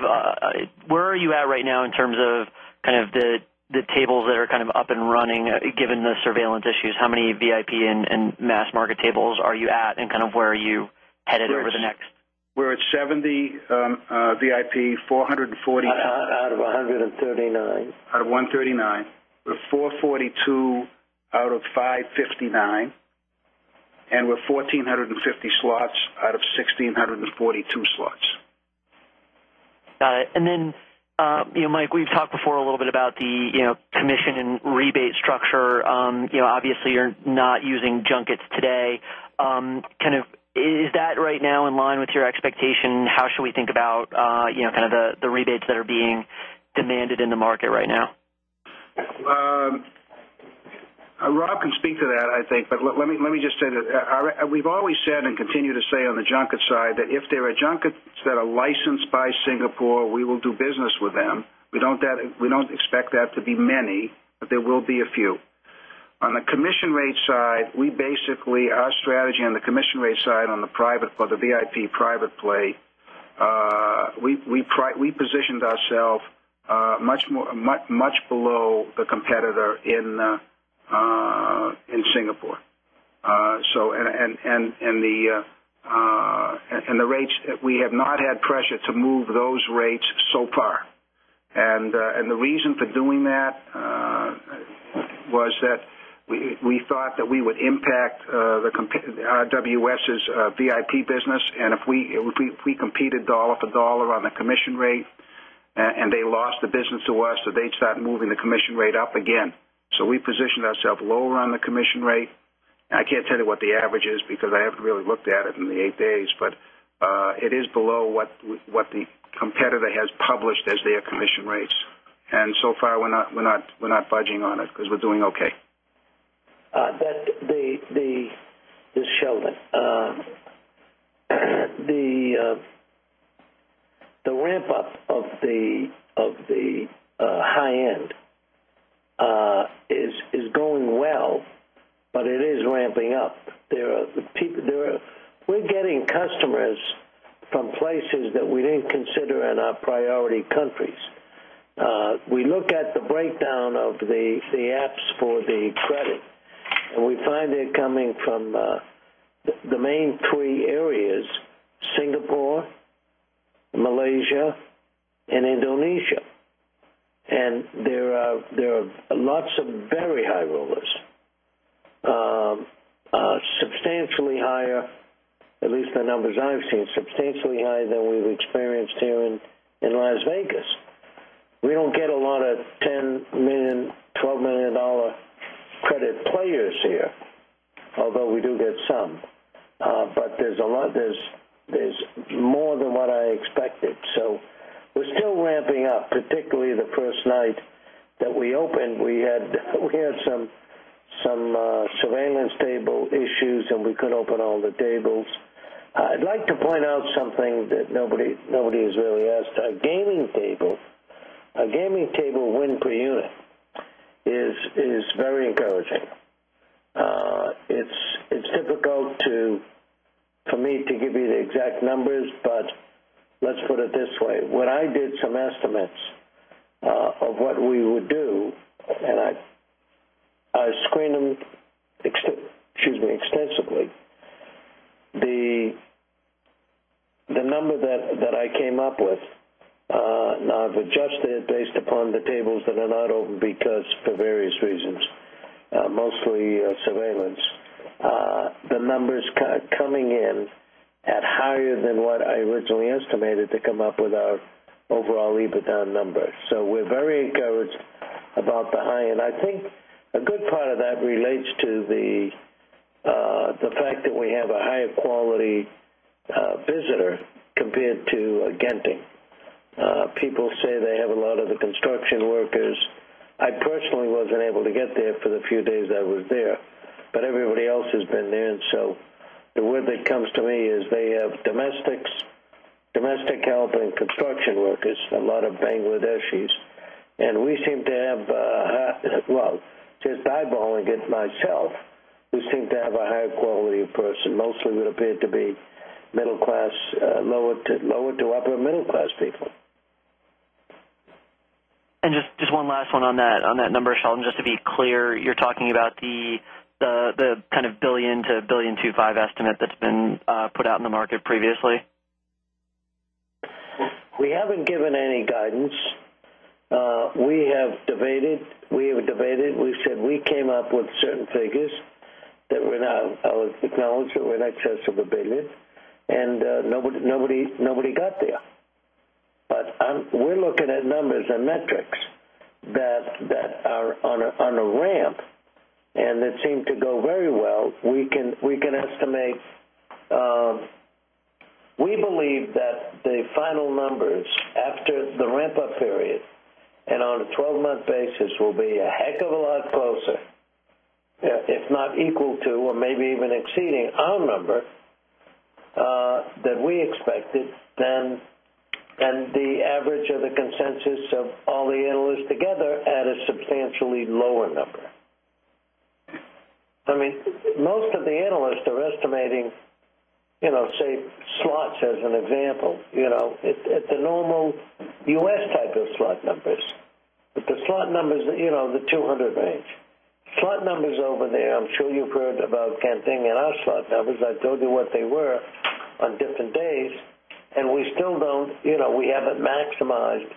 where are you at right now in terms of kind of the tables that are kind of up and running given the surveillance issues? How many VIP and mass market tables are you at and kind of where are you headed over the next? We're at 70 VIP, 442 Out of 139. Out of 139. We're 442 out of 559 and we're 14 50 slots out of 16 42 slots. Got it. And then, Mike, we've talked before a little bit about the commission and rebate structure. Obviously, you're not using junkets today. Kind of is that right now in line with your expectation? How should we think about kind of the rebates that are being demanded in the market right now? Rob can speak to that I think. But let me just say that we've always said and continue to say on the junkets side that if there are junkets that are licensed by Singapore, we will do business with them. We don't expect that to be many, but there will be a few. On the commission rate side, we basically our strategy on the commission rate side on the private or the VIP private play, we positioned ourselves much below the competitor in Singapore. So and the rates we have not had pressure to move those rates so far. And the reason for doing that was that we thought that we would impact the RWS's VIP business. And if we competed dollar for dollar on the commission rate and they lost the business to us, so they'd start moving the commission rate up again. So we positioned ourselves lower on the commission rate. And I can't tell you what the average is because I haven't really looked at it in the 8 days, but it is below what the competitor has published as their commission rates. And so far, we're not budging on it because we're doing okay. That the this is Sheldon. The ramp up of the high end is going well, but it is ramping up. There are we're getting customers from places that we didn't consider in our priority countries. We look at the breakdown of the apps for the credit, and we find it coming from the main three areas, Singapore, Malaysia and Indonesia. And there are lots of very high rulers, substantially higher, at least the numbers I've seen, substantially higher than we've experienced here in Las Vegas. We don't get a lot of $10,000,000 $12,000,000 credit players here, although we do get some. But there's a lot there's more than what I expected. So we're still ramping up, particularly the first night that we opened. We had some surveillance table issues and we couldn't open all the tables. I'd like to point out something that nobody has really asked. Our gaming table win per unit is very encouraging. It's difficult to for me to give you the exact numbers, but let's put it this way. When I did some estimates of what we would do and I screened them extensively. The number that I came up with now I've adjusted based upon the tables that are not open because for various reasons, mostly surveillance. The numbers coming in at higher than what I originally estimated to come up with our overall EBITDA number. So we're very encouraged about the high end. I think a good part of that relates to the fact that we have a higher quality visitor compared to Genting. People say they have a lot of the construction workers. I personally wasn't able to get there for the few days I was there, but everybody else has been there. And so the word that comes to me is they have domestics, domestic health and construction workers, a lot of Bangladeshis. And we seem to have well, just eyeballing it myself, we seem to have a higher quality person, mostly would appear to be middle class, lower to upper middle class people. And just one last one on that number, Sheldon. Just to be clear, you're talking about the kind of $1,000,000,000 to $1,250,000,000 estimate that's been put out in the market previously? We haven't given any guidance. We have debated. We have debated. We said we came up with certain figures that were not our technology, we're not just to build it, and nobody got there. But we're looking at numbers and metrics that are on a ramp and that seem to go very well. We can estimate we believe that the final numbers after the ramp up period and on a 12 month basis will be a heck of a lot closer, if not equal to or maybe even exceeding our number that we expected, then the average of the consensus of all the analysts together at a substantially lower number. I mean, most of the analysts are estimating, say, slots as an example, at the normal U. S. Type of slot numbers. But the slot numbers, the 200 range. Slot numbers over there, I'm sure you heard about Kenting and our slot numbers. I told you what they were on different days. And we still don't we haven't maximized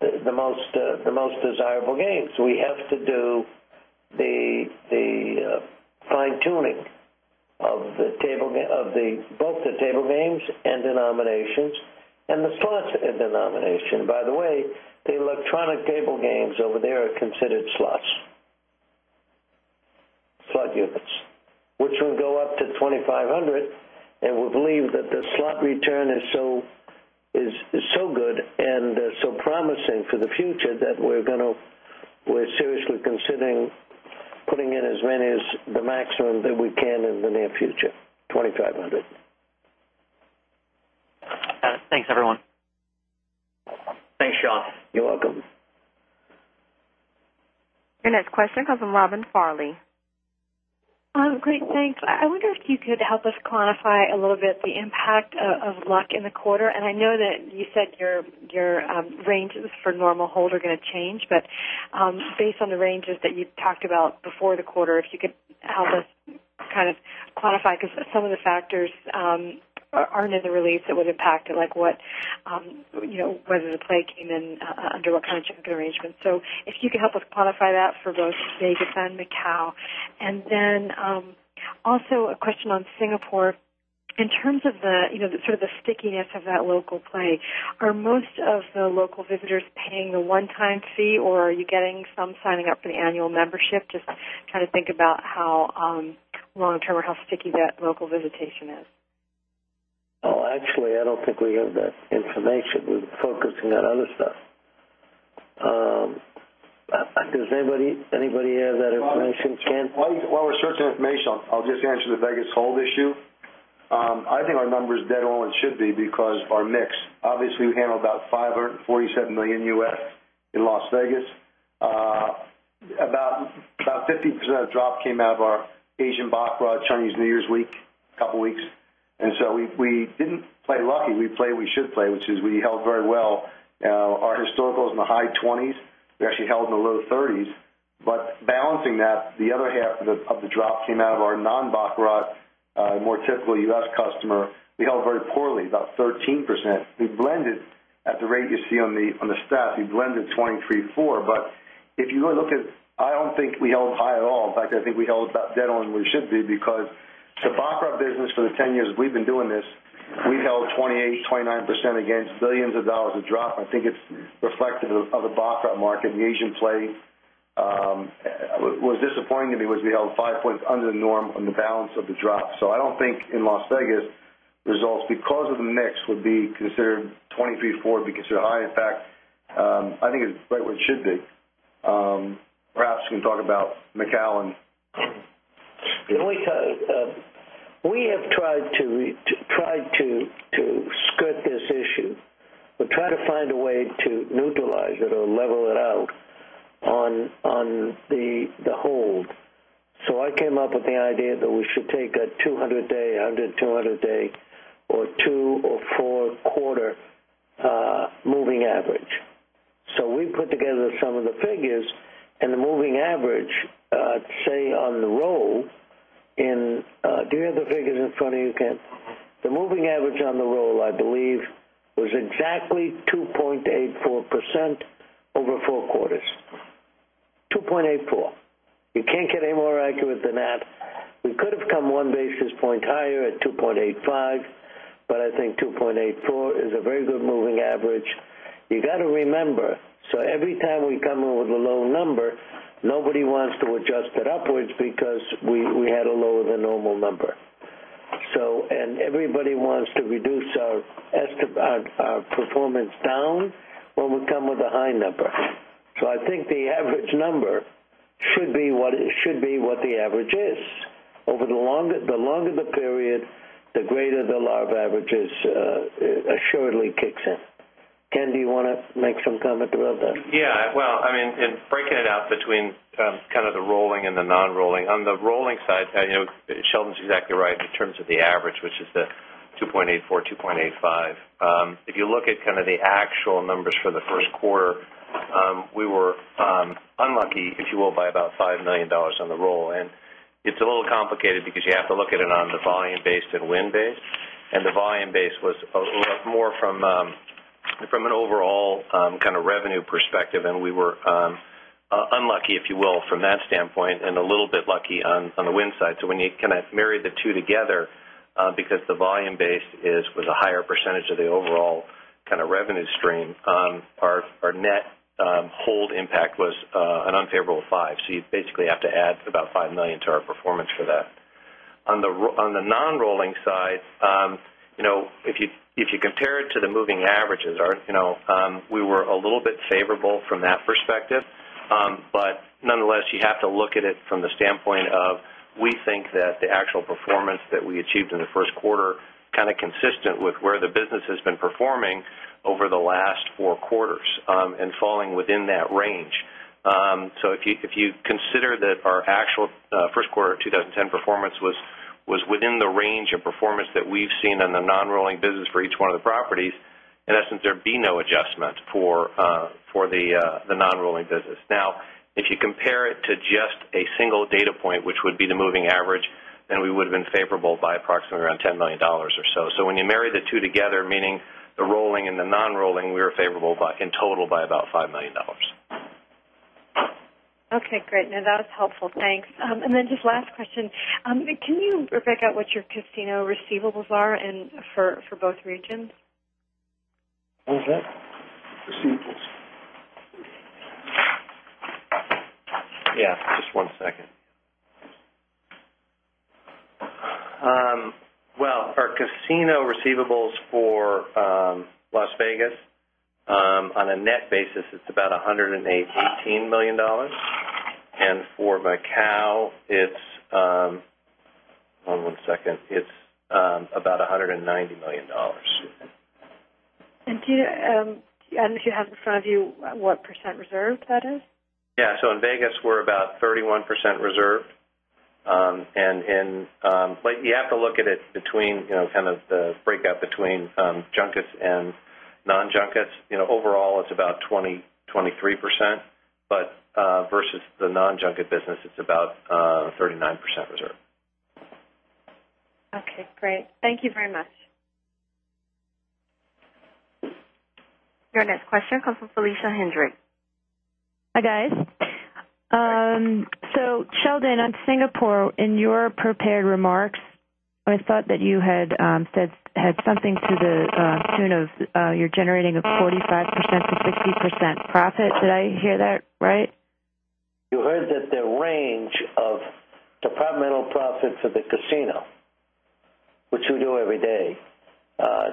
the most desirable games. We have to do the fine tuning of the table of the both the table games and denominations and the slots and denomination. By the way, the electronic table games over there are considered slots, slot units, which will go up to 2,500. And we believe that the slot return is so good and so promising for the future that we're going to we're seriously considering putting in as many as the maximum that we can in the near future, 2,500. Got it. Thanks, everyone. Thanks, Sean. You're welcome. Your next question comes from Robin Farley. Great. Thanks. I wonder if you could help us quantify a little bit the impact of luck in the quarter. And I know that you said your ranges for normal hold are going to change. But based on the ranges that you talked about before the quarter, if you could help us kind of quantify because some of the factors aren't in the release that was impacted like what whether the play came in under what kind of arrangement. So if you could help us quantify that for both Vegas and Macau. And then also a question on Singapore. In terms of the sort of the stickiness of that local play, are most of the local visitors paying the one time fee? Or are you getting some signing up for the annual membership? Just trying to think about how long term or how sticky that local visitation is? Well, actually, I don't think we have that information. We're focusing on other stuff. Does anybody have that information, Ken? While we're searching information, I'll just answer the Vegas hold issue. I think our number is dead all and should be because our mix. Obviously, we handle about $547,000,000 in Las Vegas. About 50% of the drop came out of our Asian baccarat Chinese New Year's week, couple of weeks. And so we didn't play lucky, we play what we should play, which is we held very well. Our historical is in the high 20s. We actually held in the low 30s. But balancing that, the other half of the drop came out of our non baccarat, more typically U. S. Customer, we held very poorly, about 13%. We blended at the rate you see on the staff, we blended 23.4%. But if you look at I don't think we held high at all. In fact, I think we held about dead on where we should be because the baccarat business for the 10 years we've been doing this, we held 28%, 29% against 1,000,000,000 of dollars of drop. I think it's reflective of the baccarat market and the Asian play was disappointing to me was we held 5 points under the norm on the balance of the drop. So I don't think in Las Vegas, results because of the mix would be considered 23.4 because they're high. In fact, I think it's right where it should be. Perhaps you can talk about Macallan. We have tried to skirt this issue. We try to find a way to neutralize it or level it out on the hold. So I came up with the idea that we should take a 200 day, 100, 200 day or 2 or 4 quarter moving average. So we put together some of the figures and the moving average say on the roll in do you have the figures in front of you, Ken? The moving average on the roll, I believe, was exactly 2.84% over 4 quarters, 2.84%. You can't get any more accurate than that. We could have come 1 basis point higher at 2.85, but I think 2.84 is a very good moving average. You got to remember, so every time we come in with a low number, nobody wants to adjust it upwards because we had a lower than normal number. So and everybody wants to reduce our performance down when we come with a high number. So I think the average number should be what it should be what the average is. Over the longer the period, the greater the larva averages assuredly kicks in. Ken, do you want to make some comment about that? Yes. Well, I mean, in breaking it out between kind of the rolling and the non rolling, on the rolling side, Sheldon is exactly right in terms of the average, which is the 2.84, 2.85. If you look at kind of the actual numbers for the Q1, we were unlucky, if you will, by about $5,000,000 on the roll. And it's a little complicated because you have to look at it on the volume based and wind based and the volume base was a little more from an overall kind of revenue perspective and we were unlucky if you will from that standpoint and a little bit lucky on the wind side. So when you kind of marry the 2 together because the volume base is with a higher percentage of the overall kind of revenue stream, our net hold impact was an unfavorable 5. So you basically have to add about $5,000,000 to our performance for that. On the non rolling side, if you compare it to the moving averages, we were a little bit favorable from that perspective. But nonetheless, you have to look at it from the standpoint of we think that the actual performance that we achieved in the Q1 kind of consistent with where the business has been performing over the last four quarters and falling within that range. So if you consider that our actual Q1 of 2010 performance was within the range of performance that we've seen in the non rolling business for each one of the properties, in essence there'd be no adjustment for the non rolling business. Now, if you compare it to just a single data point, which would be the moving average, then we would have been favorable by approximately around $10,000,000 or so. So when you marry the 2 together, meaning the rolling and the non rolling, we are favorable in total by about $5,000,000 Okay, great. And that was helpful. Thanks. And then just last question. Can you break out what your casino receivables are for both regions? Okay. Receivables. Yes, just one second. Well, our casino receivables for Las Vegas, on a net basis, it's about $118,000,000 and for Macau, it's one second, it's about $190,000,000 And do you I don't know if you have in front of you what percent reserve that is? Yes. So in Vegas, we're about 31% reserved. And you have to look at it between kind of the breakout between junkets and non junkets, overall it's about 20%, 23%, but versus the non junket business, it's about 39% reserve. Okay, great. Thank you very much. Your next question comes from Felicia Hendrix. Hi, guys. So Sheldon, on Singapore, in your prepared remarks, I thought that you had something to the tune of you're generating a 45% to 60% profit. Did I hear that right? You heard that the range of departmental profits at the casino, which we do every day,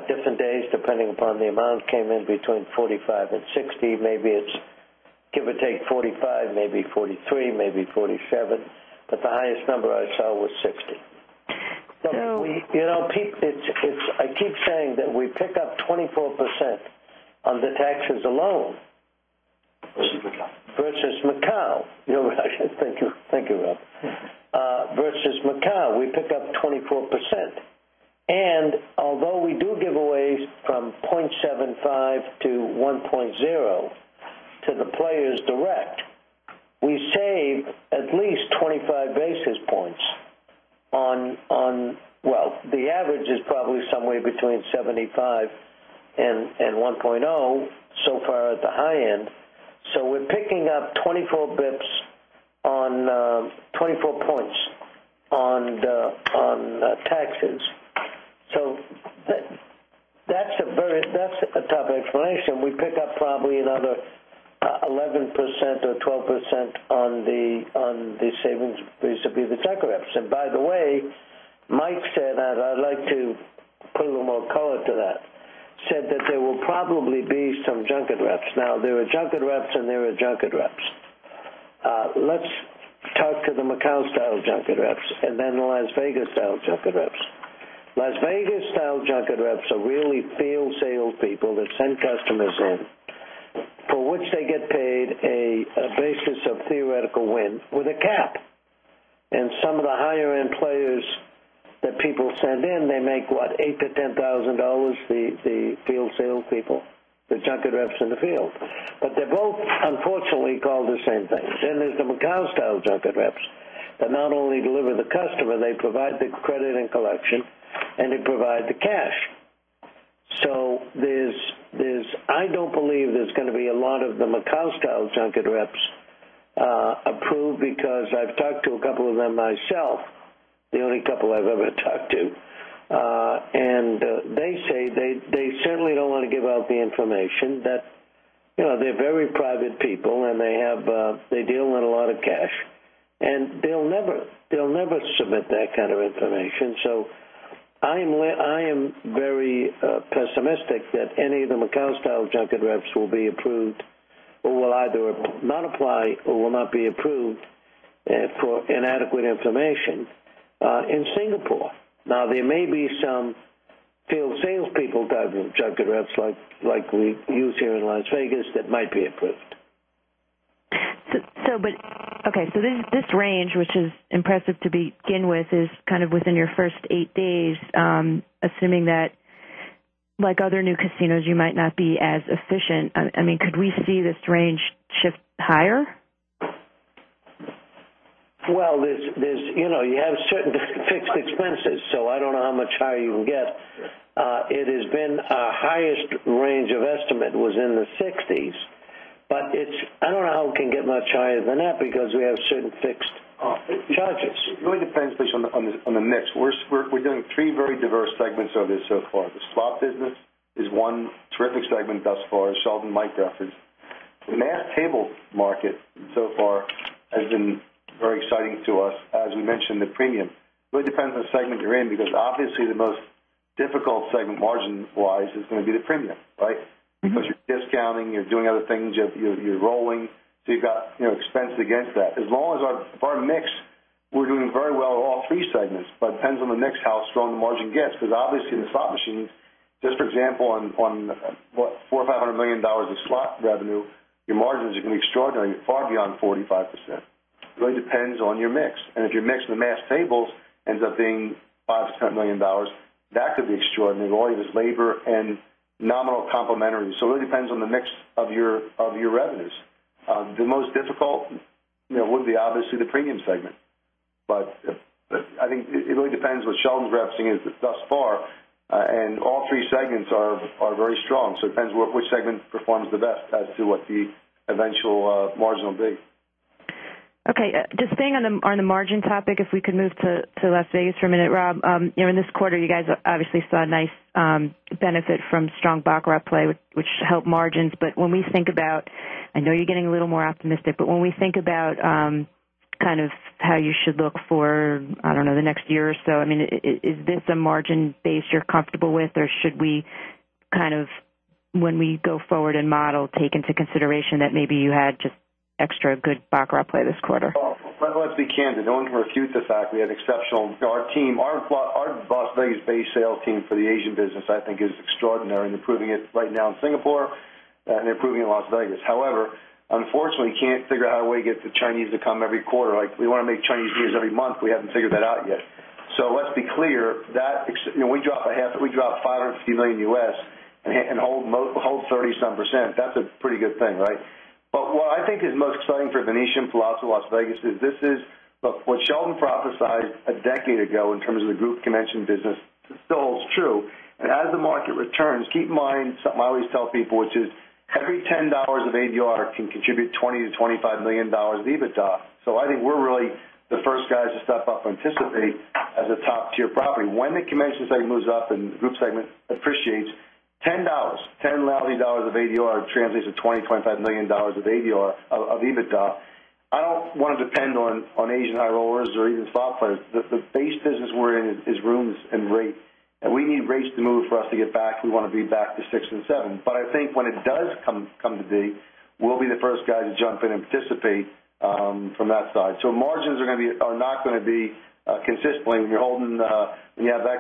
different days depending upon the amount came in between 4560, maybe it's give or take 45, maybe 43, maybe 47, but the highest number I saw was 60%. No. I keep saying that we pick up 24% on the taxes alone versus Macau. Thank you, Rob. Versus Macau, we pick up 24%. And although we do giveaways from 0.75 to 1.0 to the players direct, we save at least 25 basis points on well, the average is probably somewhere between 75 and 1.0 so far at the high end. So we're picking up 24 bps on 24 points on taxes. So that's a very that's a tough explanation. We pick up probably another 11% or 12% on the savings vis a vis the tech reps. And by the way, Mike said, and I'd like to put a little more color to that, said that there will probably be some junket reps. Now there were junket reps and there were junket reps. Let's talk to the Macau style junket reps and then Las Vegas style junket reps. Las Vegas style junket reps are really field salespeople that send customers in for which they get paid a basis of theoretical win with a cap. And some of the higher end players that people send in, they make, what, dollars 8,000 to $10,000 the field salespeople, the junket reps in the field. But they're both unfortunately called the same thing. Then there's the Macau style junket reps that not only deliver the customer, they provide the credit in collection and they provide the cash. So there's I don't believe there's going to be a lot of the Macau style junket reps approved because I've talked to a couple of them myself, the only couple I've ever talked to. And they say they certainly don't want to give out the information that they're very private people and they have they deal with a lot of cash. And they'll never submit that kind of information. So I am very pessimistic that any of the Macau style junket reps will be approved or will either not apply or will not be approved for inadequate information in Singapore. Now there may be some field salespeople that have jugular reps like we use here in Las Vegas that might be approved. So but okay. So this range, which is impressive to be begin with is kind of within your 1st 8 days, assuming that like other new casinos you might not be as efficient. I mean could we see this range shift higher? Well, there's you have certain fixed expenses. So I don't know how much higher you will get. It has been our highest range of estimate was in the 60s, but it's I don't know how it can get much higher than that because we have certain fixed charges. It really depends based on the mix. We're doing 3 very diverse segments of this so far. The swap business is one terrific segment thus far as Sheldon Mike referenced. The mass table market so far has been very exciting to us. As we mentioned, the premium really depends on the segment you're in because obviously the most difficult segment margin wise is going to be the premium, right? Because you're discounting, you're doing other things, you're rolling, so you've got expenses against that. As long as our mix, we're doing very well in all three segments, but depends on the mix how strong the margin gets because obviously in the slot machines, just for example, on $400,000,000 $500,000,000 of slot revenue, your margins are going to be extraordinary far beyond 45%. It really depends on your mix. And if your mix of the mass tables ends up being $5,000,000 to $10,000,000 that could be extraordinary. All of this labor and nominal complementary. So it really depends on the mix of your revenues. The most difficult would be obviously the premium segment. But I think it really depends what Sheldon's referencing is thus far and all three segments are very strong. So it depends on which segment performs the best as to what the eventual margin will be. Okay. Just staying on the margin topic, if we could move to Las Vegas for a minute, Rob. In this quarter, you guys obviously saw a nice benefit from strong baccarat play which helped margins. But when we think about I know you're getting a little more optimistic, but when we think about kind of how you should look for, I don't know the next year or so, I mean is this a margin base you're comfortable with or should we kind of when we go forward and model take into consideration that maybe you had just extra good baccarat play this quarter? Let's be candid. No one can refute the fact we had exceptional our team our Las Vegas base sales team for the Asian business, I think, is extraordinary in improving it right now in Singapore and improving in Las Vegas. However, unfortunately, we can't figure out how to get the Chinese to come every quarter. Like we want to make Chinese news every month. We haven't figured that out yet. So let's be clear that we dropped a half we dropped $550,000,000 and hold 30 some percent. That's a pretty good thing, right? But what I think is most exciting for Venetian Plaza Las Vegas is this is what Sheldon prophesied a decade ago in terms of the group convention business still holds true. And as the market returns, keep in mind, something I always tell people, which is every $10 of ADR can contribute $20,000,000 to $25,000,000 of EBITDA. So I think we're really the 1st guys to step up and anticipate as a top tier property. When the convention segment moves up and the group segment appreciates, dollars 10,000,000 of ADR translates to $20,000,000 $25,000,000 of ADR of EBITDA. I don't want to depend on Asian high rollers or even softwares. The base business we're in is rooms and rates. And we need rates to move for us to get back. We want to be back to 6% and 7%. But I think when it does come to be, we'll be the 1st guy to jump in and participate from that side. So margins are going to be are not going to be consistently holding that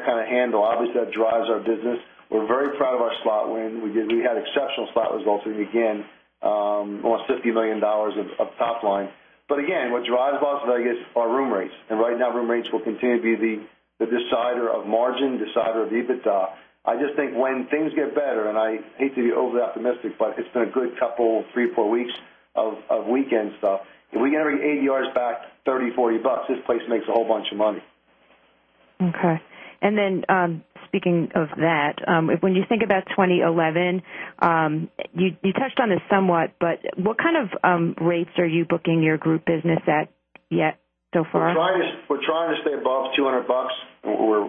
kind of handle. Obviously, that drives our business. We're very proud of our slot win. We had exceptional slot results, we began almost $50,000,000 of top line. But again, what drives Las Vegas are room rates. And right now, room rates will continue to be the decider of margin, decider of EBITDA. I just think when things get better, and I hate to be overly optimistic, but it's been a good couple of 3, 4 weeks of weekend stuff. If we can bring ADRs back $30, $40 this place makes a whole bunch of money. Okay. And then speaking of that, when you think about 2011, you touched on this somewhat, but what kind of rates are you booking your group business at yet so far? We're trying to stay above $200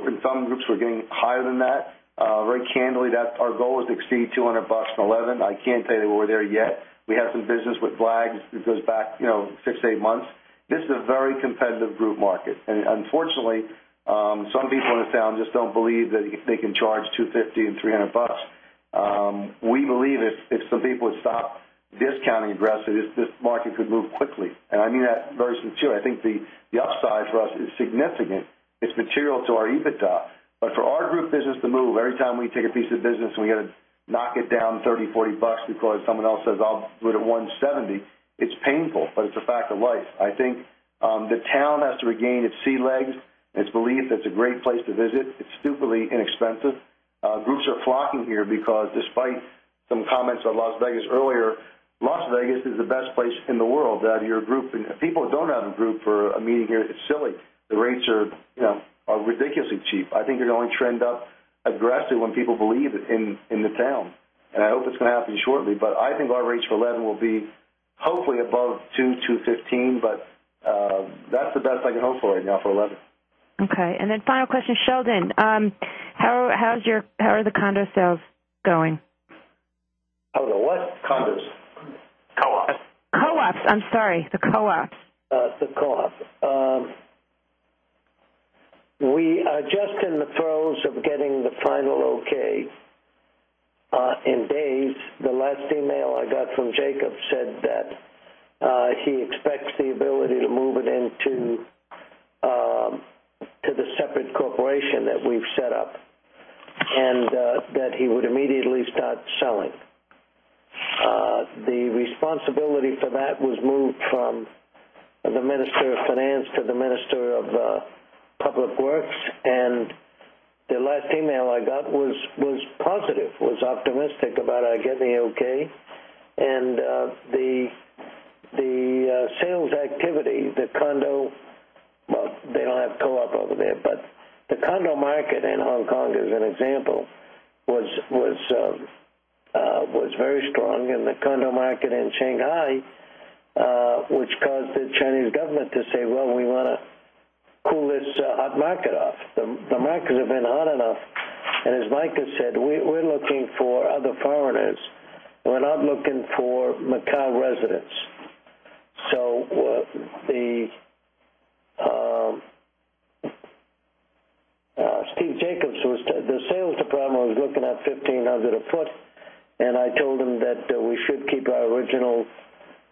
In some groups, we're getting higher than that. Very candidly, our goal is to exceed 200 dollars and $11 I can't tell you we're there yet. We have some business with flags that goes back 6 to 8 months. This is a very competitive group market. And unfortunately, some people in the town just don't believe that if they can charge $2.50 $300 We believe if some people would stop discounting aggressively, this market could move quickly. And I mean that versus 2, I think the upside for us is significant. It's material to our EBITDA. But for our group business to move, every time we take a piece of business and we got to knock it down $30, $40 because someone else says I'll go to $170, it's painful, but it's a fact of life. I think the town has to regain its sea legs and it's believed that's a great place to visit. It's stupidly inexpensive. Groups are flocking here because despite some comments on Las Vegas earlier, Las Vegas is the best place in the world that your group and people don't have a group for a meeting here, it's silly. The rates are ridiculously cheap. I think you're going to trend up aggressively when people believe in the town. And I hope it's going to happen shortly, but I think our reach for 11 will be hopefully above 2%, 2.15%, but that's the best I can hope for right now for 11. Okay. And then final question, Sheldon, how is your how are the condo sales going? How are the what condos? Ops. Co ops, I'm sorry, the co ops. The co ops. We are just in the throes of getting the final okay in days. The last e mail I got from Jacob said that he expects the ability to move it into the separate corporation that we've set up and that he would immediately start selling. The responsibility for that was moved from the Minister of Finance to the Minister of Public Works. And the last e mail I got was positive, was optimistic about our getting okay. And the sales activity, the condo, they don't have co op over there. But the condo market in Hong Kong, as an example, was very strong in the condo market in Shanghai, which caused the Chinese government to say, well, we want to cool this hot market off. The markets have been hot enough. And as Micah said, we're looking for other foreigners. We're not looking for Macau residents. So the Steve Jacobs was the sales department was looking at $1500 a foot, and I told him that we should keep our original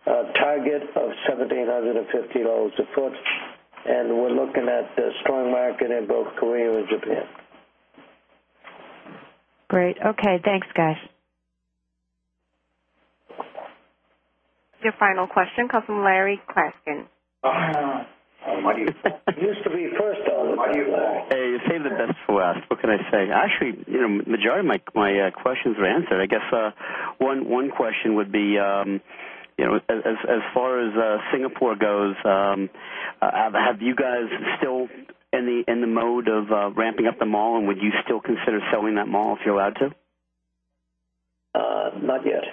target of $17.50 a foot. And we're looking at a strong market in both Korea and Japan. Great. Okay. Thanks, guys. Your final question comes from Larry Klaskin. I used to be first on the Hey, you saved the best for last, what can I say? Actually, majority of my questions were answered. I guess, one question would be, as far as Singapore goes, have you guys still in the mode of ramping up the mall? And would you still consider selling that mall if you're allowed to? Not yet.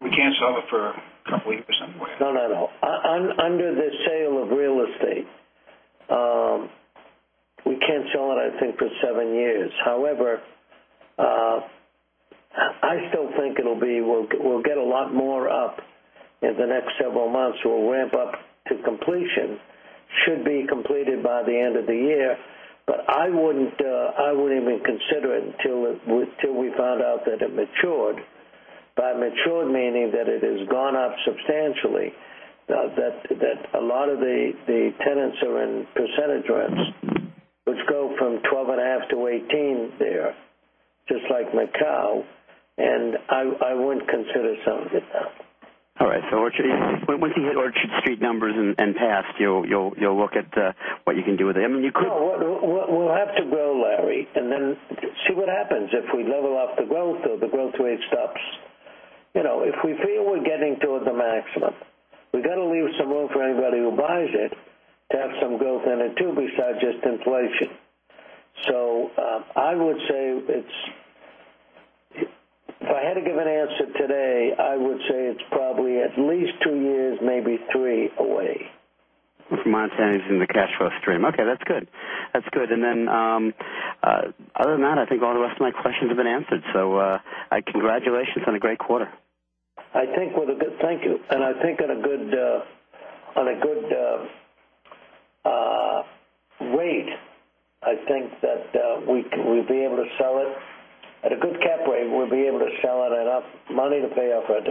We can't sell it for couple of years. No, not at all. Under the sale of real estate, we can't sell it I think for 7 years. However, I still think it will be we'll get a lot more up in the next several months. We'll ramp up to completion, should be completed by the end of the year. But I wouldn't even consider it until we found out that it matured. By matured, meaning that it has gone up substantially that a lot of the tenants are in percentage rents, which go from 12.5 to 18 there, just like Macau. And I wouldn't consider some of it now. All right. So once you hit Orchard Street numbers and passed, you'll look at what you can do with it. I mean, you could No. We'll have to grow, Larry, and then see what happens if we level up the growth or the growth rate stops. If we feel we're getting towards the maximum, we've got to leave some room for anybody who buys it to have some growth in it too besides just inflation. So I would say it's if I had to give an answer today, I would say it's probably at least 2 years, maybe 3 away. From my understanding, it's in the cash flow stream. Okay, that's good. That's good. And then other than that, I think all the rest of my questions have been answered. So congratulations on a great quarter. I think with a good thank you. And I think on a good rate, I think that we'd be able to sell it at a good cap rate. We'll be able to sell it enough money to pay off